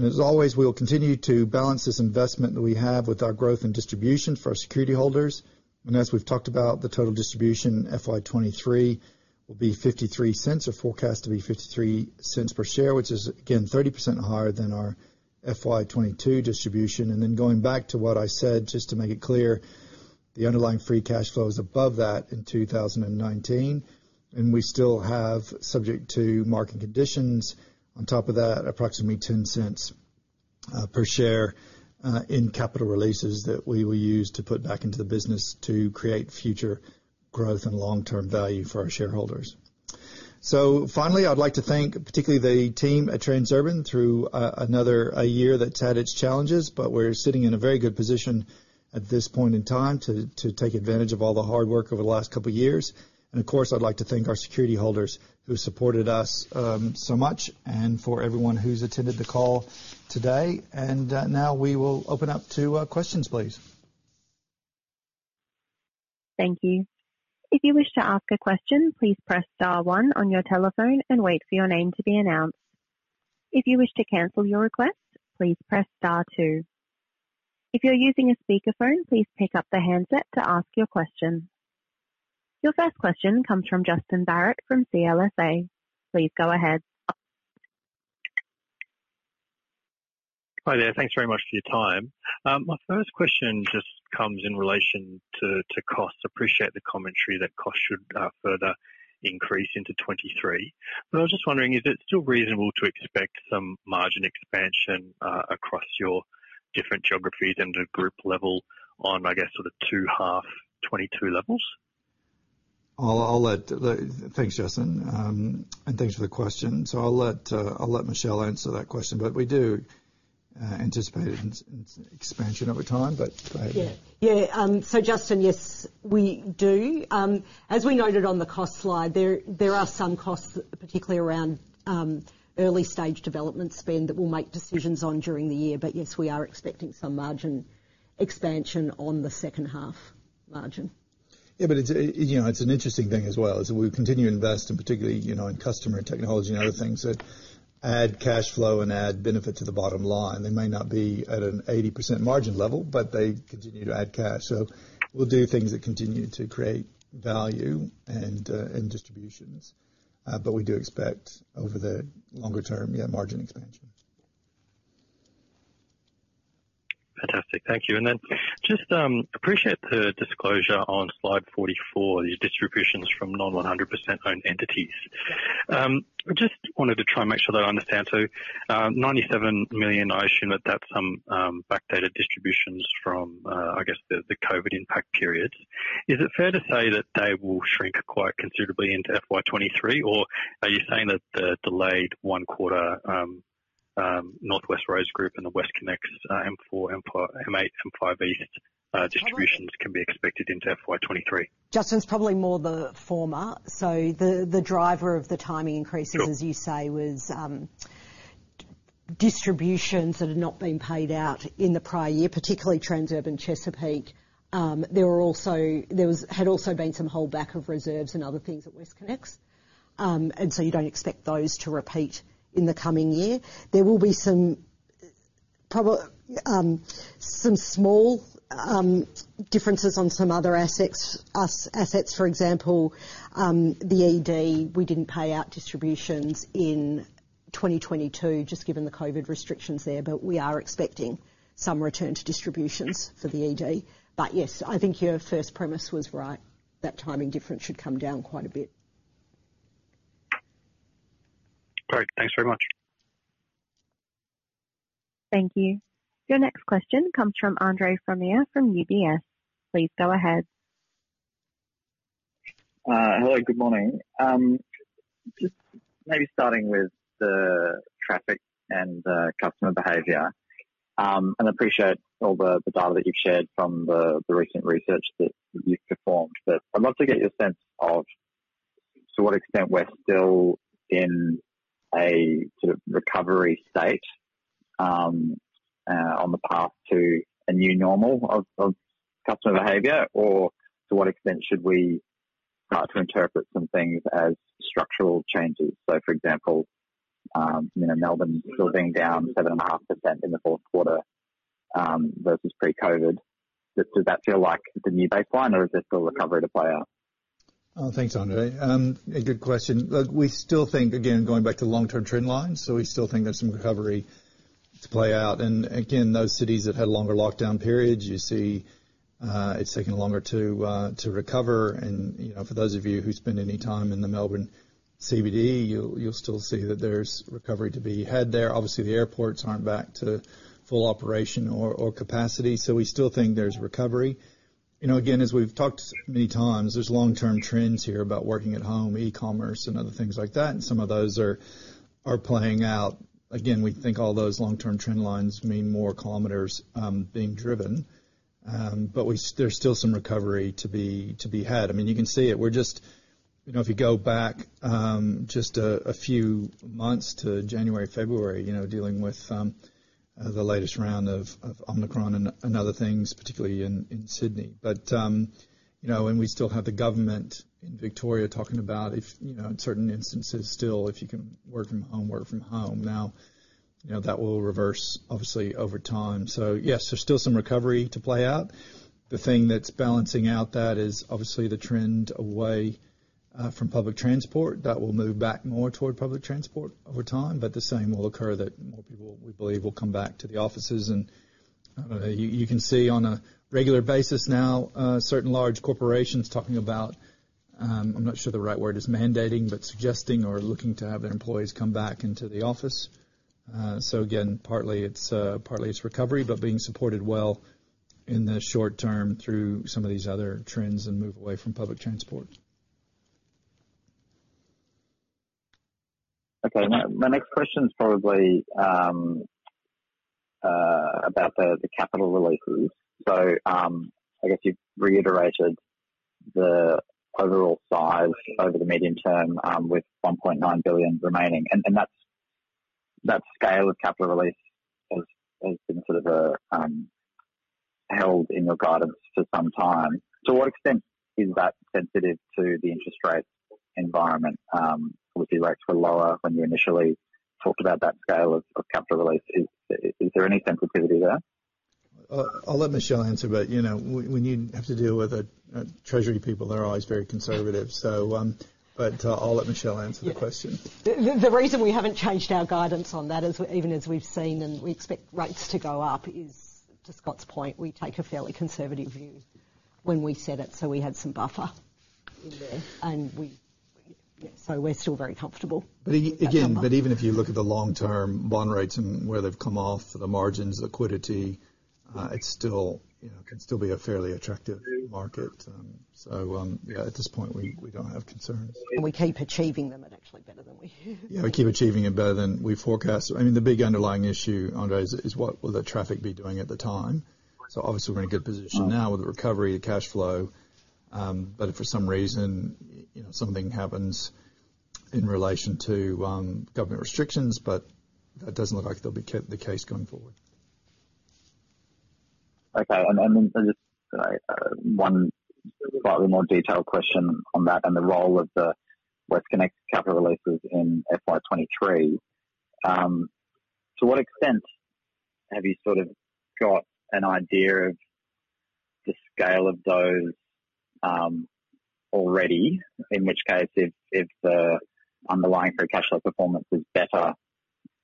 As always, we'll continue to balance this investment that we have with our growth and distribution for our security holders. As we've talked about, the total distribution in FY 2023 will be 0.53 or forecast to be 0.53 per share, which is again 30% higher than our FY 2022 distribution. Going back to what I said, just to make it clear, the underlying free cash flow is above that in 2019, and we still have subject to market conditions on top of that, approximately 0.10 per share in capital releases that we will use to put back into the business to create future growth and long-term value for our shareholders. Finally, I'd like to thank particularly the team at Transurban through another year that's had its challenges, but we're sitting in a very good position at this point in time to take advantage of all the hard work over the last couple of years. Of course, I'd like to thank our security holders who supported us so much and for everyone who's attended the call today. Now we will open up to questions, please. Thank you. If you wish to ask a question, please press star one on your telephone and wait for your name to be announced. If you wish to cancel your request, please press star two. If you're using a speakerphone, please pick up the handset to ask your question. Your first question comes from Justin Barratt from CLSA. Please go ahead. Hi there. Thanks very much for your time. My first question just comes in relation to costs. Appreciate the commentary that costs should further increase into 2023. I was just wondering, is it still reasonable to expect some margin expansion across your different geographies and the group level on, I guess, sort of 2H 2022 levels? Thanks, Justin. Thanks for the question. I'll let Michelle answer that question, but we do anticipate an expansion over time, but go ahead. Yeah. Justin, yes, we do. As we noted on the cost slide, there are some costs, particularly around early stage development spend that we'll make decisions on during the year. Yes, we are expecting some margin expansion on the second half margin. Yeah, it's, you know, it's an interesting thing as well, is we continue to invest in particularly, you know, in customer and technology and other things that add cash flow and add benefit to the bottom line. They may not be at an 80% margin level, but they continue to add cash. We'll do things that continue to create value and distributions. We do expect over the longer term, yeah, margin expansions. Fantastic. Thank you. Just appreciate the disclosure on slide 44, the distributions from non-100%-owned entities. I just wanted to try and make sure that I understand too. 97 million, I assume that that's some backdated distributions from, I guess the COVID impact periods. Is it fair to say that they will shrink quite considerably into FY 2023? Or are you saying that the delayed one quarter NorthWestern Roads Group and the WestConnex M4, M5-M8, M5E distributions can be expected into FY 2023? Justin, it's probably more the former. The driver of the timing increases. Sure. As you say, was distributions that had not been paid out in the prior year, particularly Transurban Chesapeake. There had also been some holdback of reserves and other things at WestConnex. You don't expect those to repeat in the coming year. There will be some small differences on some other assets, US assets, for example, the ED. We didn't pay out distributions in 2022, just given the COVID restrictions there, but we are expecting some return to distributions for the ED. Yes, I think your first premise was right. That timing difference should come down quite a bit. Great. Thanks very much. Thank you. Your next question comes from Andre Fromyhr from UBS. Please go ahead. Hello, good morning. Just maybe starting with the traffic and customer behavior, and appreciate all the data that you've shared from the recent research that you've performed. I'd love to get your sense of to what extent we're still in a sort of recovery state, on the path to a new normal of customer behavior, or to what extent should we start to interpret some things as structural changes? For example, you know, Melbourne still being down 7.5% in the fourth quarter, versus pre-COVID, does that feel like the new baseline or is there still recovery to play out? Oh, thanks, Andre. A good question. Look, we still think, again, going back to long-term trend lines, so we still think there's some recovery to play out. Again, those cities that had longer lockdown periods, you see, it's taken longer to recover. You know, for those of you who spend any time in the Melbourne CBD, you'll still see that there's recovery to be had there. Obviously, the airports aren't back to full operation or capacity, so we still think there's recovery. You know, again, as we've talked many times, there's long term trends here about working at home, e-commerce and other things like that, and some of those are playing out. Again, we think all those long-term trend lines mean more kilometers being driven. There's still some recovery to be had. I mean, you can see it. We're just, you know, if you go back, just a few months to January, February, you know, dealing with the latest round of Omicron and other things, particularly in Sydney. You know, and we still have the government in Victoria talking about if, you know, in certain instances still, if you can work from home, work from home. Now, you know, that will reverse obviously over time. Yes, there's still some recovery to play out. The thing that's balancing out that is obviously the trend away from public transport. That will move back more toward public transport over time, but the same will occur that more people, we believe, will come back to the offices. I don't know, you can see on a regular basis now, certain large corporations talking about, I'm not sure the right word is mandating, but suggesting or looking to have their employees come back into the office. Again, partly it's recovery, but being supported well in the short term through some of these other trends and move away from public transport. Okay. My next question is probably about the Capital Releases. I guess you've reiterated the overall size over the medium term with 1.9 billion remaining. That's the scale of Capital Releases has been sort of held in your guidance for some time. To what extent is that sensitive to the interest rate environment? Obviously rates were lower when you initially talked about that scale of Capital Releases. Is there any sensitivity there? I'll let Michelle answer, but you know, when you have to deal with treasury people, they're always very conservative. I'll let Michelle answer the question. The reason we haven't changed our guidance on that is even as we've seen and we expect rates to go up, is to Scott's point, we take a fairly conservative view when we set it, so we had some buffer in there. We're still very comfortable. Again, but even if you look at the long-term bond rates and where they've come off, the margins, liquidity, it's still, you know, can still be a fairly attractive market. Yeah, at this point we don't have concerns. We keep achieving them and actually better than we. Yeah, we keep achieving it better than we forecast. I mean, the big underlying issue, Andre, is what will the traffic be doing at the time. Obviously we're in a good position now with the recovery, the cash flow, but if for some reason, you know, something happens in relation to government restrictions, but that doesn't look like they'll be the case going forward. Okay. Then just one slightly more detailed question on that and the role of the WestConnex capital releases in FY 2023. To what extent have you sort of got an idea of the scale of those already? In which case if the underlying free cash flow performance is better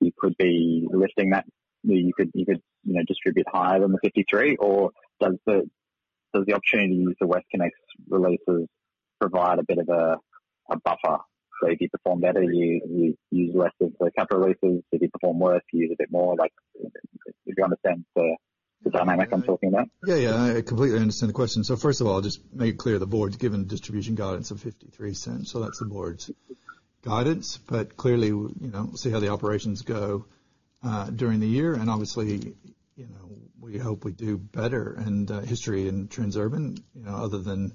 you could be lifting that. You could, you know, distribute higher than the 53. Or does the opportunity to use the WestConnex releases provide a bit of a buffer. If you perform better, you use less of the capital releases. If you perform worse, you use a bit more. Like, do you understand the dynamic I'm talking about? Yeah, yeah. I completely understand the question. First of all, I'll just make it clear, the board's given distribution guidance of 0.53. That's the board's guidance. Clearly, you know, we'll see how the operations go during the year. Obviously, you know, we hope we do better. History in Transurban, you know, other than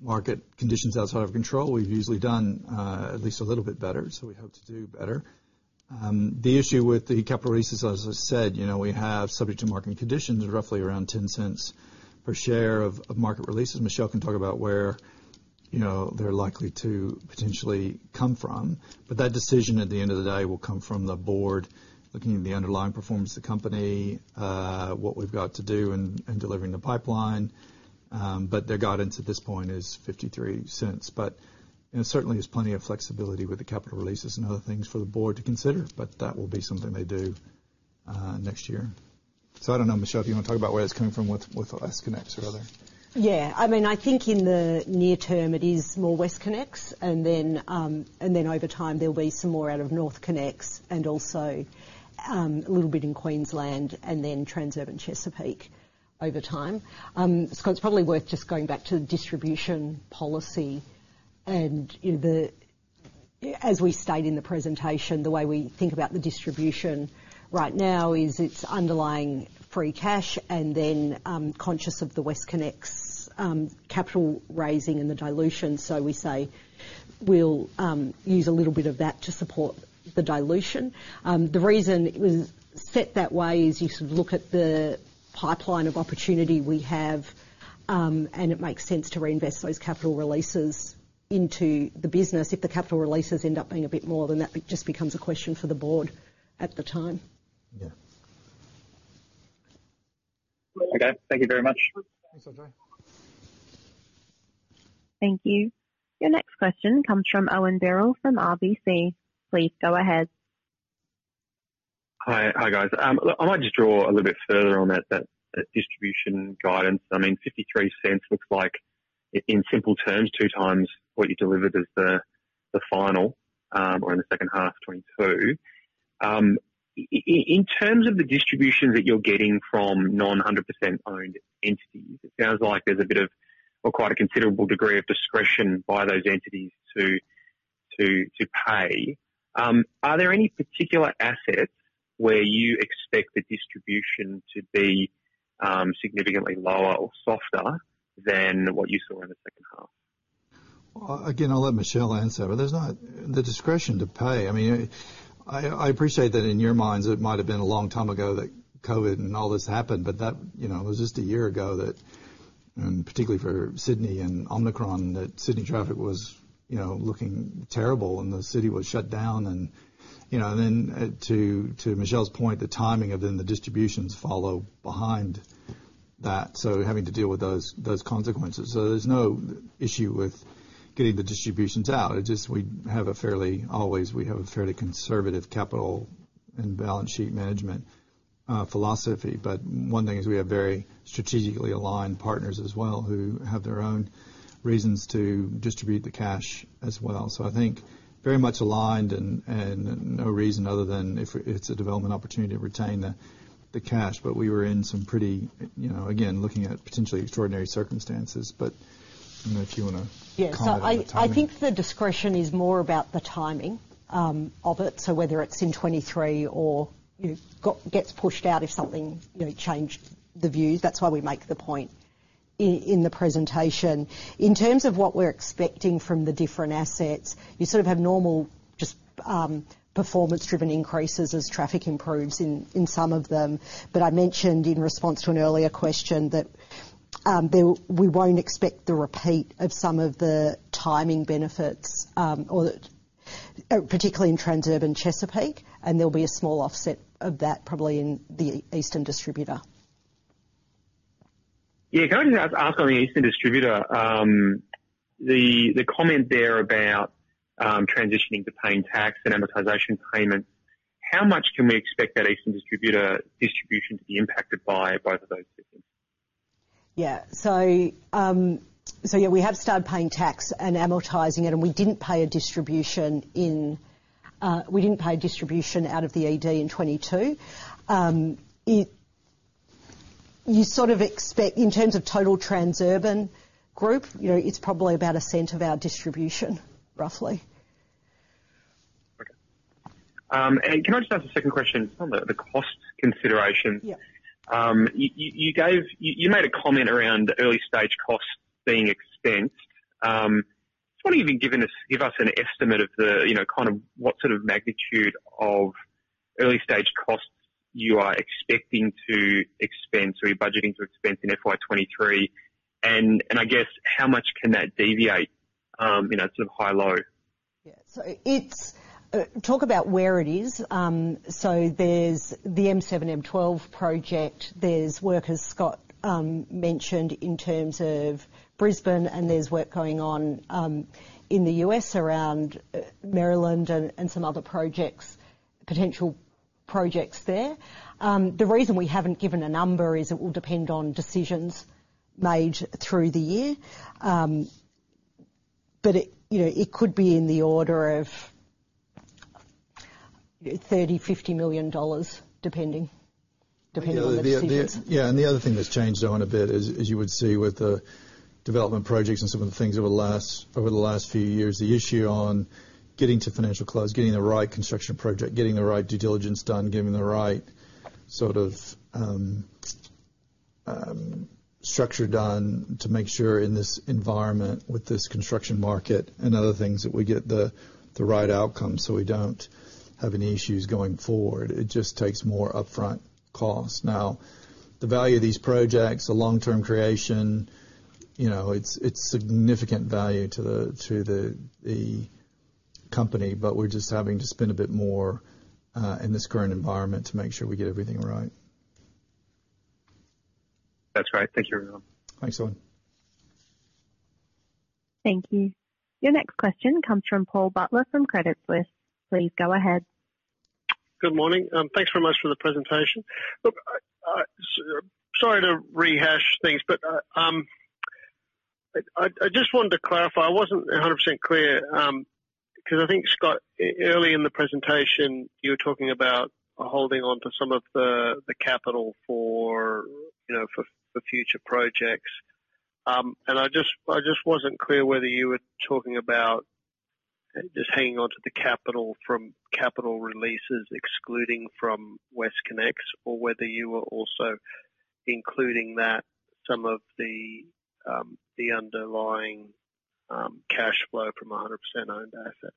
market conditions outside of control, we've usually done at least a little bit better. We hope to do better. The issue with the capital releases, as I said, you know, we have subject to market conditions, roughly around 0.10 per share of capital releases. Michelle can talk about where, you know, they're likely to potentially come from. That decision, at the end of the day, will come from the board looking at the underlying performance of the company, what we've got to do in delivering the pipeline. Their guidance at this point is 0.53. There certainly is plenty of flexibility with the capital releases and other things for the board to consider. That will be something they do next year. I don't know, Michelle, do you wanna talk about where it's coming from with WestConnex or other? Yeah. I mean, I think in the near term it is more WestConnex. Over time there'll be some more out of NorthConnex and also, a little bit in Queensland and then Transurban Chesapeake over time. Scott, it's probably worth just going back to the distribution policy. As we stated in the presentation, the way we think about the distribution right now is it's underlying free cash and then, conscious of the WestConnex, capital raising and the dilution. We say we'll use a little bit of that to support the dilution. The reason it was set that way is you sort of look at the pipeline of opportunity we have, and it makes sense to reinvest those capital releases into the business. If the Capital Releases end up being a bit more, then that just becomes a question for the board at the time. Yeah. Okay. Thank you very much. Thanks, Andre. Thank you. Your next question comes from Owen Birrell from RBC. Please go ahead. Hi. Hi, guys. I might just draw a little bit further on that distribution guidance. I mean, 0.53 looks like in simple terms, two times what you delivered as the final or in the second half of 2022. In terms of the distribution that you're getting from non-100% owned entities, it sounds like there's a bit of, or quite a considerable degree of discretion by those entities to pay. Are there any particular assets where you expect the distribution to be significantly lower or softer than what you saw in the second half? Again, I'll let Michelle answer. There's not the discretion to pay. I mean, I appreciate that in your minds it might have been a long time ago that COVID and all this happened, but that, you know, it was just a year ago that, and particularly for Sydney and Omicron, that Sydney traffic was, you know, looking terrible and the city was shut down. You know, and then to Michelle's point, the timing of then the distributions follow behind that. Having to deal with those consequences. There's no issue with getting the distributions out. It's just we have a fairly conservative capital and balance sheet management philosophy. One thing is we have very strategically aligned partners as well who have their own reasons to distribute the cash as well. I think very much aligned and no reason other than if it's a development opportunity to retain the cash. But we were in some pretty, you know, again, looking at potentially extraordinary circumstances, but I don't know if you wanna comment on the timing. I think the discretion is more about the timing of it. Whether it's in 2023 or, you know, gets pushed out if something, you know, changed the views. That's why we make the point in the presentation. In terms of what we're expecting from the different assets, you sort of have normal just performance driven increases as traffic improves in some of them. I mentioned in response to an earlier question that we won't expect the repeat of some of the timing benefits or particularly in Transurban Chesapeake, and there'll be a small offset of that probably in the Eastern Distributor. Yeah. Can I just ask on the Eastern Distributor, the comment there about transitioning to paying tax and amortization payments, how much can we expect that Eastern Distributor distribution to be impacted by both of those things? We have started paying tax and amortizing it, and we didn't pay a distribution out of the ED in 2022. You sort of expect in terms of total Transurban Group, you know, it's probably about a cent of our distribution roughly. Okay. Can I just ask a second question on the cost consideration? Yeah. You made a comment around early stage costs being expensed. Just wondering if you can give us an estimate of the kind of what sort of magnitude of early stage costs you are expecting to expense or you're budgeting to expense in FY 2023? I guess how much can that deviate, sort of high-low? Talk about where it is. There's the M7, M12 project. There's work, as Scott mentioned, in terms of Brisbane, and there's work going on in the US around Maryland and some other potential projects there. The reason we haven't given a number is it will depend on decisions made through the year, but it, you know, it could be in the order of 30 million-50 million dollars, depending on the decisions. Yeah. The other thing that's changed though a bit is, as you would see with the development projects and some of the things over the last few years, the issue of getting to financial close, getting the right construction project, getting the right due diligence done, getting the right sort of structure done to make sure in this environment, with this construction market and other things, that we get the right outcome, so we don't have any issues going forward. It just takes more upfront costs. Now, the value of these projects, the long-term creation, you know, it's significant value to the company, but we're just having to spend a bit more in this current environment to make sure we get everything right. That's right. Thank you very much. Thanks, Owen. Thank you. Your next question comes from Paul Butler from Credit Suisse. Please go ahead. Good morning. Thanks very much for the presentation. Look, sorry to rehash things, but I just wanted to clarify. I wasn't 100% clear, 'cause I think, Scott, early in the presentation you were talking about holding onto some of the capital for, you know, future projects. I just wasn't clear whether you were talking about just hanging on to the capital from capital releases excluding from WestConnex or whether you were also including that some of the underlying cash flow from 100% owned assets.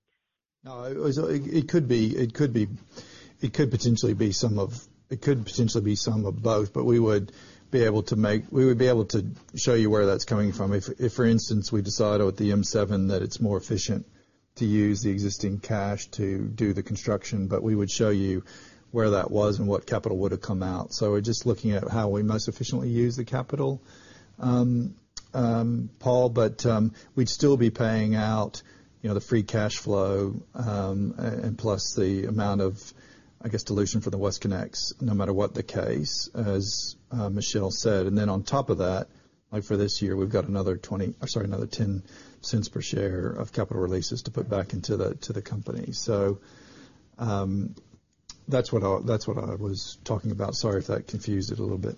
No, it could potentially be some of both, but we would be able to show you where that's coming from. If for instance, we decide with the M7 that it's more efficient to use the existing cash to do the construction, but we would show you where that was and what capital would've come out. We're just looking at how we most efficiently use the capital, Paul, but we'd still be paying out, you know, the free cash flow, and plus the amount of, I guess, dilution for the WestConnex no matter what the case, as Michelle said. On top of that, like for this year, we've got another 0.10 per share of Capital Releases to put back into the company. That's what I was talking about. Sorry if that confused it a little bit.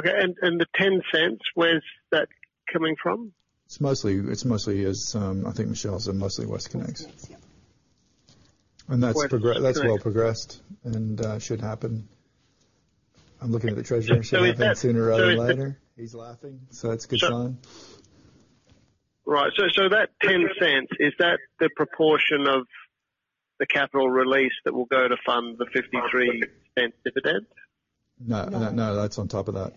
Okay. The 0.10, where's that coming from? It's mostly, I think Michelle said, mostly WestConnex. That's. Great. That's well progressed and should happen. I'm looking at the treasurer, should happen sooner rather than later. He's laughing, so that's a good sign. Right. That 0.10, is that the proportion of the capital release that will go to fund the 0.53 dividend? No. No. No, that's on top of that.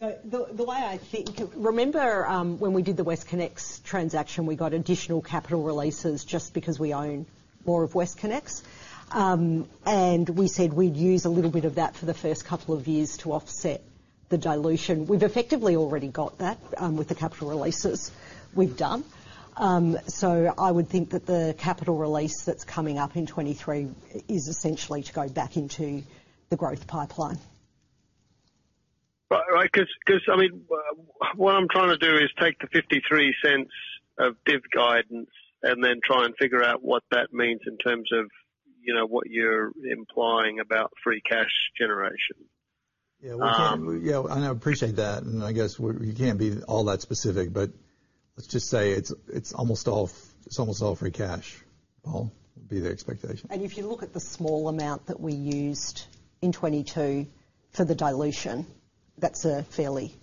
The way I think, remember when we did the WestConnex transaction. We got additional capital releases just because we own more of WestConnex. We said we'd use a little bit of that for the first couple of years to offset the dilution. We've effectively already got that with the capital releases we've done. I would think that the capital release that's coming up in 2023 is essentially to go back into the growth pipeline. Right. 'Cause I mean, what I'm trying to do is take the 0.53 of div guidance and then try and figure out what that means in terms of, you know, what you're implying about free cash generation. Yeah, I appreciate that, and I guess we can't be all that specific, but let's just say it's almost all free cash, Paul, would be the expectation. If you look at the small amount that we used in 2022 for the dilution, that's a fairly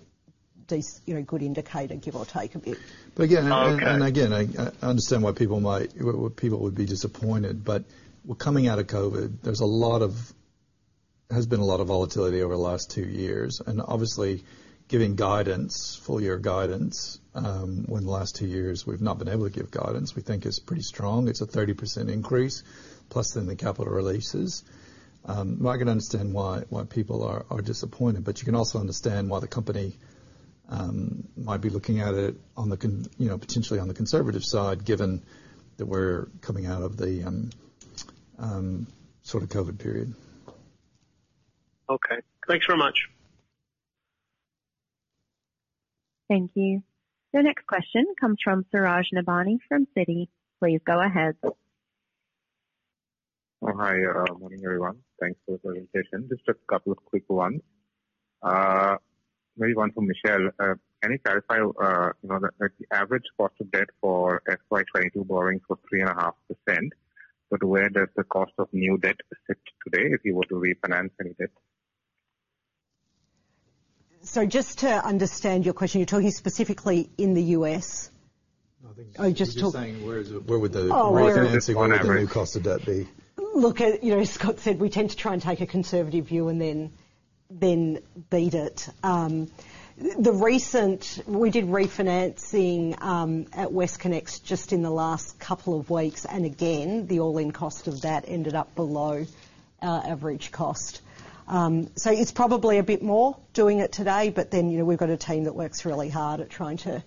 you know, good indicator, give or take a bit. Again. Oh, okay. I understand why people might be disappointed, but we're coming out of COVID. There has been a lot of volatility over the last two years, and obviously giving full year guidance, when the last two years we've not been able to give guidance, we think is pretty strong. It's a 30% increase plus then the Capital Releases. I can understand why people are disappointed, but you can also understand why the company might be looking at it on the conservative side, you know, potentially on the conservative side, given that we're coming out of the sort of COVID period. Okay. Thanks very much. Thank you. Your next question comes from Suraj Nebhani from Citi. Please go ahead. Morning everyone. Thanks for the presentation. Just a couple of quick ones. Maybe one for Michelle. Can you clarify, you know, the average cost of debt for FY 2022 borrowing for 3.5%, but where does the cost of new debt sit today if you were to refinance any debt? Just to understand your question, you're talking specifically in the U.S.? No, I think. Oh, just talk- He's saying where is it? Oh, where- Refinancing, what would the new cost of debt be? On average. Look, you know, as Scott said, we tend to try and take a conservative view and beat it. We did refinancing at WestConnex just in the last couple of weeks, and again, the all-in cost of that ended up below our average cost. It's probably a bit more doing it today, but then, you know, we've got a team that works really hard at trying to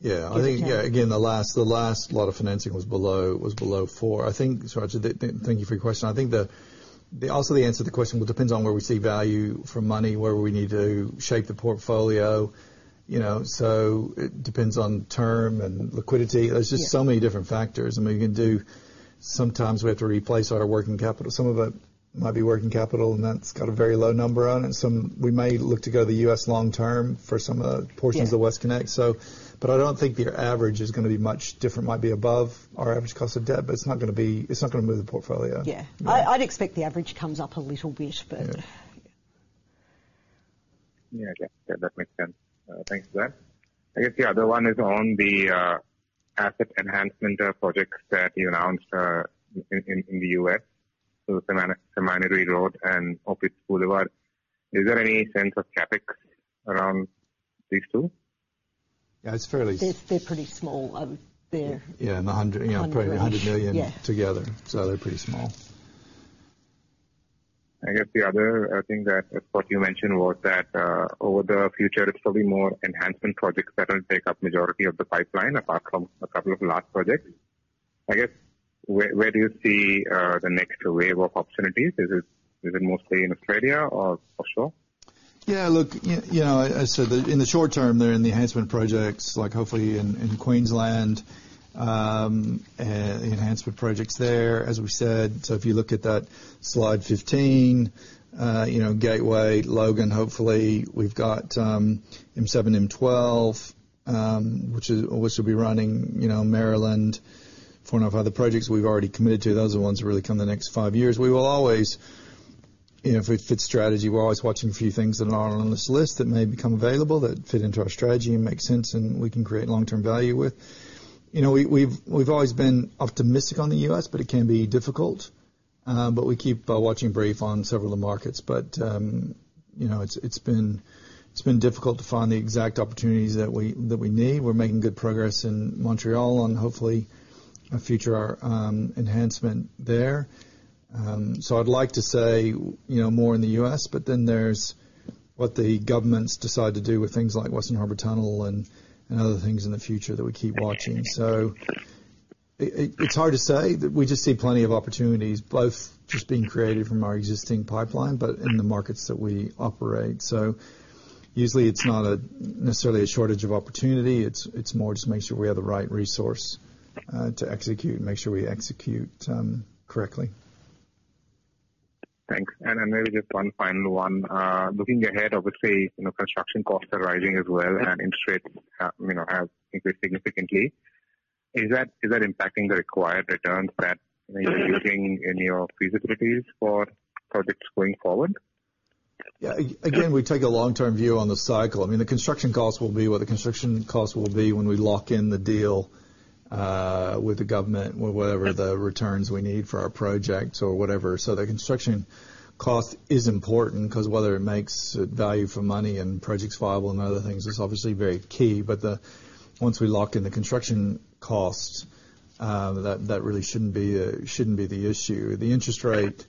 Yeah, I think, again, the last lot of financing was below four. I think, sorry, just thank you for your question. I think the, also the answer to the question depends on where we see value for money, where we need to shape the portfolio, you know. It depends on term and liquidity. Yeah. There's just so many different factors. I mean, sometimes we have to replace our working capital. Some of it might be working capital, and that's got a very low number on it. Some we may look to go the U.S. long term for some portions. Yeah. of WestConnex. I don't think your average is gonna be much different. Might be above our average cost of debt, but it's not gonna be. It's not gonna move the portfolio. Yeah. I'd expect the average comes up a little bit, but. Yeah. Yeah, I guess that makes sense. Thanks for that. I guess the other one is on the asset enhancement projects that you announced in the U.S., so Seminary Road and Opitz Boulevard. Is there any sense of CapEx around these two? Yeah, it's fairly. They're pretty small. Yeah, in the 100, you know, probably 100 million. Yes. Together, so they're pretty small. I guess the other thing that what you mentioned was that over the future it's probably more enhancement projects that will take up majority of the pipeline apart from a couple of large projects. I guess where do you see the next wave of opportunities? Is it mostly in Australia or offshore? Yeah, look, you know, as to the In the short term, they're in the enhancement projects, like hopefully in Queensland, the enhancement projects there, as we said. If you look at that slide 15, you know, Gateway, Logan, hopefully we've got M7, M12, which will be running, you know, M4 and M5 other projects we've already committed to. Those are the ones that really come in the next five years. We will always, you know, if it fits strategy, we're always watching a few things that are not on this list that may become available, that fit into our strategy and make sense and we can create long-term value with. You know, we've always been optimistic on the US, but it can be difficult. But we keep a watching brief on several of the markets. It's been difficult to find the exact opportunities that we need. You know, we're making good progress in Montreal and hopefully a future enhancement there. I'd like to say, you know, more in the US, but then there's what the governments decide to do with things like Western Harbour Tunnel and other things in the future that we keep watching. It's hard to say. We just see plenty of opportunities both just being created from our existing pipeline, but in the markets that we operate. Usually it's not necessarily a shortage of opportunity, it's more just making sure we have the right resource to execute and make sure we execute correctly. Thanks. Maybe just one final one. Looking ahead, obviously, you know, construction costs are rising as well, and interest rates, you know, have increased significantly. Is that impacting the required returns that you're using in your feasibilities for projects going forward? Yeah. Again, we take a long-term view on the cycle. I mean, the construction costs will be what the construction costs will be when we lock in the deal with the government, whatever the returns we need for our projects or whatever. The construction cost is important 'cause whether it makes value for money and project's viable and other things is obviously very key. Once we lock in the construction costs, that really shouldn't be the issue. The interest rate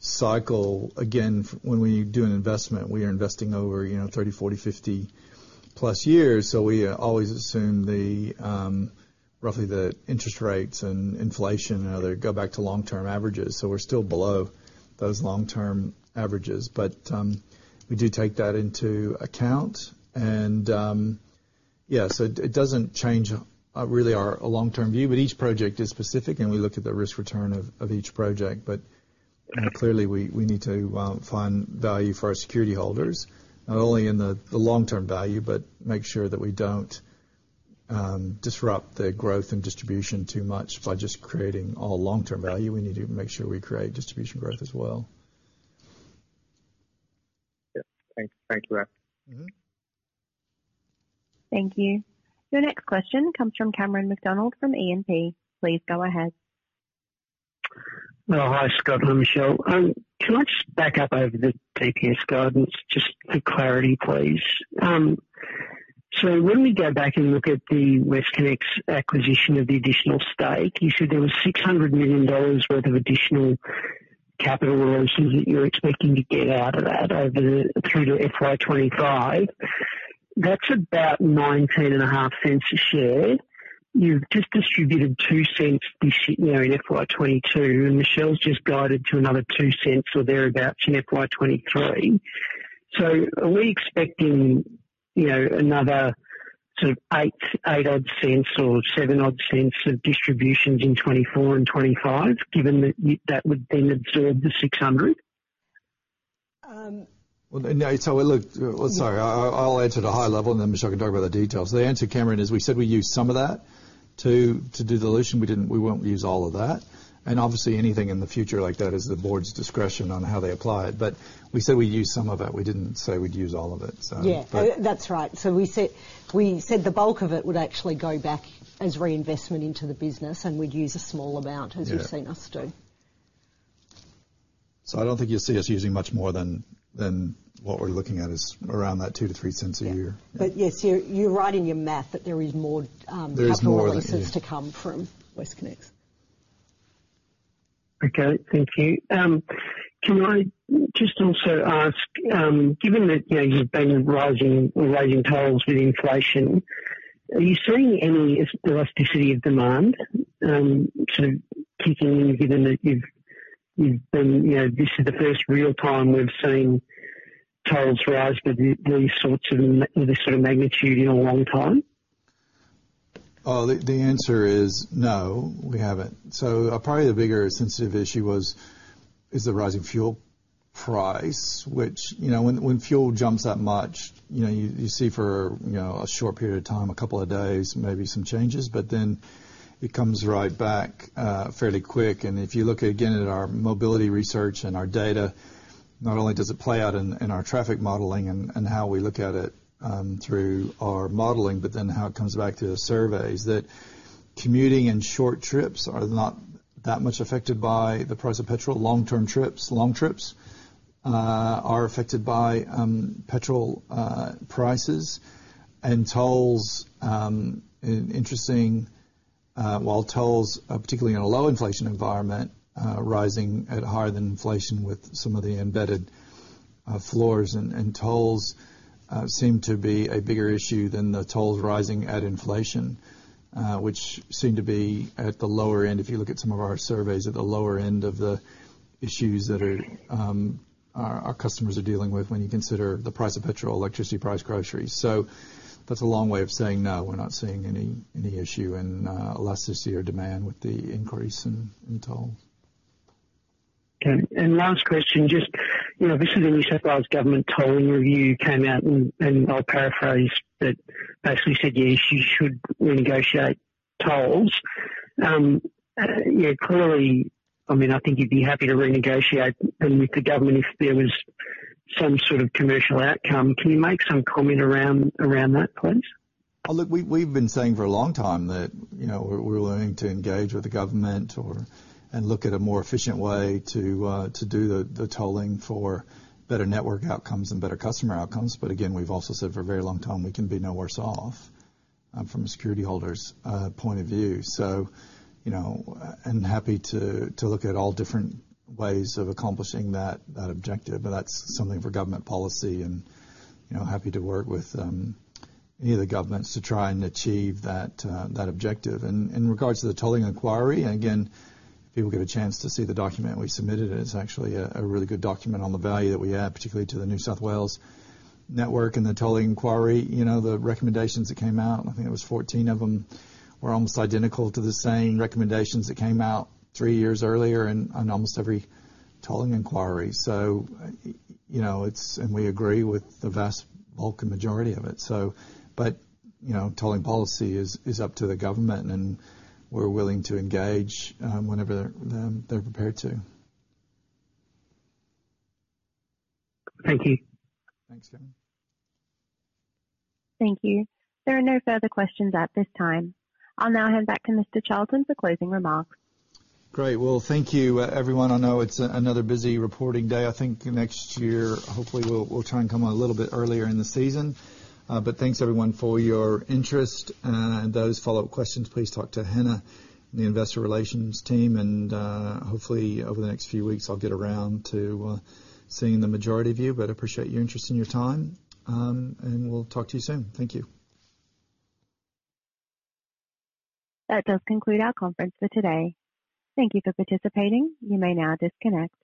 cycle, again, when we do an investment, we are investing over, you know, 30, 40, 50+ years. We always assume roughly the interest rates and inflation go back to long-term averages. We're still below those long-term averages. We do take that into account. It doesn't change really our long-term view. Each project is specific, and we look at the risk return of each project. Clearly we need to find value for our security holders, not only in the long-term value, but make sure that we don't disrupt the growth and distribution too much by just creating all long-term value. We need to make sure we create distribution growth as well. Yeah. Thanks for that. Mm-hmm. Thank you. Your next question comes from Cameron McDonald from E&P. Please go ahead. Well, hi, Scott. Hi, Michelle. Can I just back up over the DPS guidance just for clarity, please? When we go back and look at the WestConnex acquisition of the additional stake, you said there was 600 million dollars worth of additional capital releases that you're expecting to get out of that through to FY 2025. That's about 0.195 a share. You've just distributed 0.02 this year in FY 2022, and Michelle's just guided to another 0.02 or thereabout in FY 2023. Are we expecting, you know, another sort of eight odd cents or seven odd cents of distributions in 2024 and 2025, given that that would then absorb the 600? Um- Well, now, look. Sorry. I'll answer at a high level, and then Michelle can talk about the details. The answer, Cameron, is we said we'd use some of that to do dilution. We won't use all of that. Obviously anything in the future like that is the board's discretion on how they apply it. We said we'd use some of it. We didn't say we'd use all of it. Yeah. That's right. We said the bulk of it would actually go back as reinvestment into the business, and we'd use a small amount. Yeah. As you've seen us do. I don't think you'll see us using much more than what we're looking at is around that 2-3 cents a year. Yeah. Yes, you're right in your math that there is more capital releases. There is more, yeah. to come from WestConnex. Okay, thank you. Can I just also ask, given that, you know, you've been rising or raising tolls with inflation, are you seeing any elasticity of demand, sort of kicking in, given that you've been, you know, this is the first real time we've seen tolls rise with this sort of magnitude in a long time? The answer is no, we haven't. Probably the bigger sensitive issue is the rising fuel price, which, you know, when fuel jumps that much, you know, you see for, you know, a short period of time, a couple of days, maybe some changes, but then it comes right back fairly quick. If you look again at our mobility research and our data, not only does it play out in our traffic modeling and how we look at it through our modeling, but then how it comes back to the surveys that commuting and short trips are not that much affected by the price of petrol. Long-term trips are affected by petrol prices and tolls. While tolls, particularly in a low inflation environment, rising at higher than inflation with some of the embedded floors and tolls, seem to be a bigger issue than the tolls rising at inflation, which seem to be at the lower end, if you look at some of our surveys, at the lower end of the issues that our customers are dealing with when you consider the price of petrol, electricity price, groceries. That's a long way of saying no, we're not seeing any issue in elasticity or demand with the increase in toll. Okay. Last question, just, you know, recently New South Wales government tolling review came out and I'll paraphrase that basically said, yes, you should renegotiate tolls. Yeah, clearly, I mean, I think you'd be happy to renegotiate and with the government if there was some sort of commercial outcome. Can you make some comment around that, please? Oh, look, we've been saying for a long time that, you know, we're willing to engage with the government and look at a more efficient way to do the tolling for better network outcomes and better customer outcomes. Again, we've also said for a very long time we can be no worse off from a securityholder's point of view. You know, happy to look at all different ways of accomplishing that objective, but that's something for government policy and, you know, happy to work with any of the governments to try and achieve that objective. In regards to the tolling inquiry, again, people get a chance to see the document we submitted, and it's actually a really good document on the value that we add, particularly to the New South Wales network and the tolling inquiry. You know, the recommendations that came out, and I think it was 14 of them, were almost identical to the same recommendations that came out three years earlier and on almost every tolling inquiry. You know, it's, and we agree with the vast bulk and majority of it. But, you know, tolling policy is up to the government and we're willing to engage whenever they're prepared to. Thank you. Thanks, Kevin. Thank you. There are no further questions at this time. I'll now hand back to Mr. Charlton for closing remarks. Great. Well, thank you, everyone. I know it's another busy reporting day. I think next year, hopefully we'll try and come on a little bit earlier in the season. Thanks everyone for your interest. Those follow-up questions, please talk to Hannah and the investor relations team. Hopefully over the next few weeks I'll get around to seeing the majority of you. Appreciate your interest and your time, and we'll talk to you soon. Thank you. That does conclude our conference for today. Thank you for participating. You may now disconnect.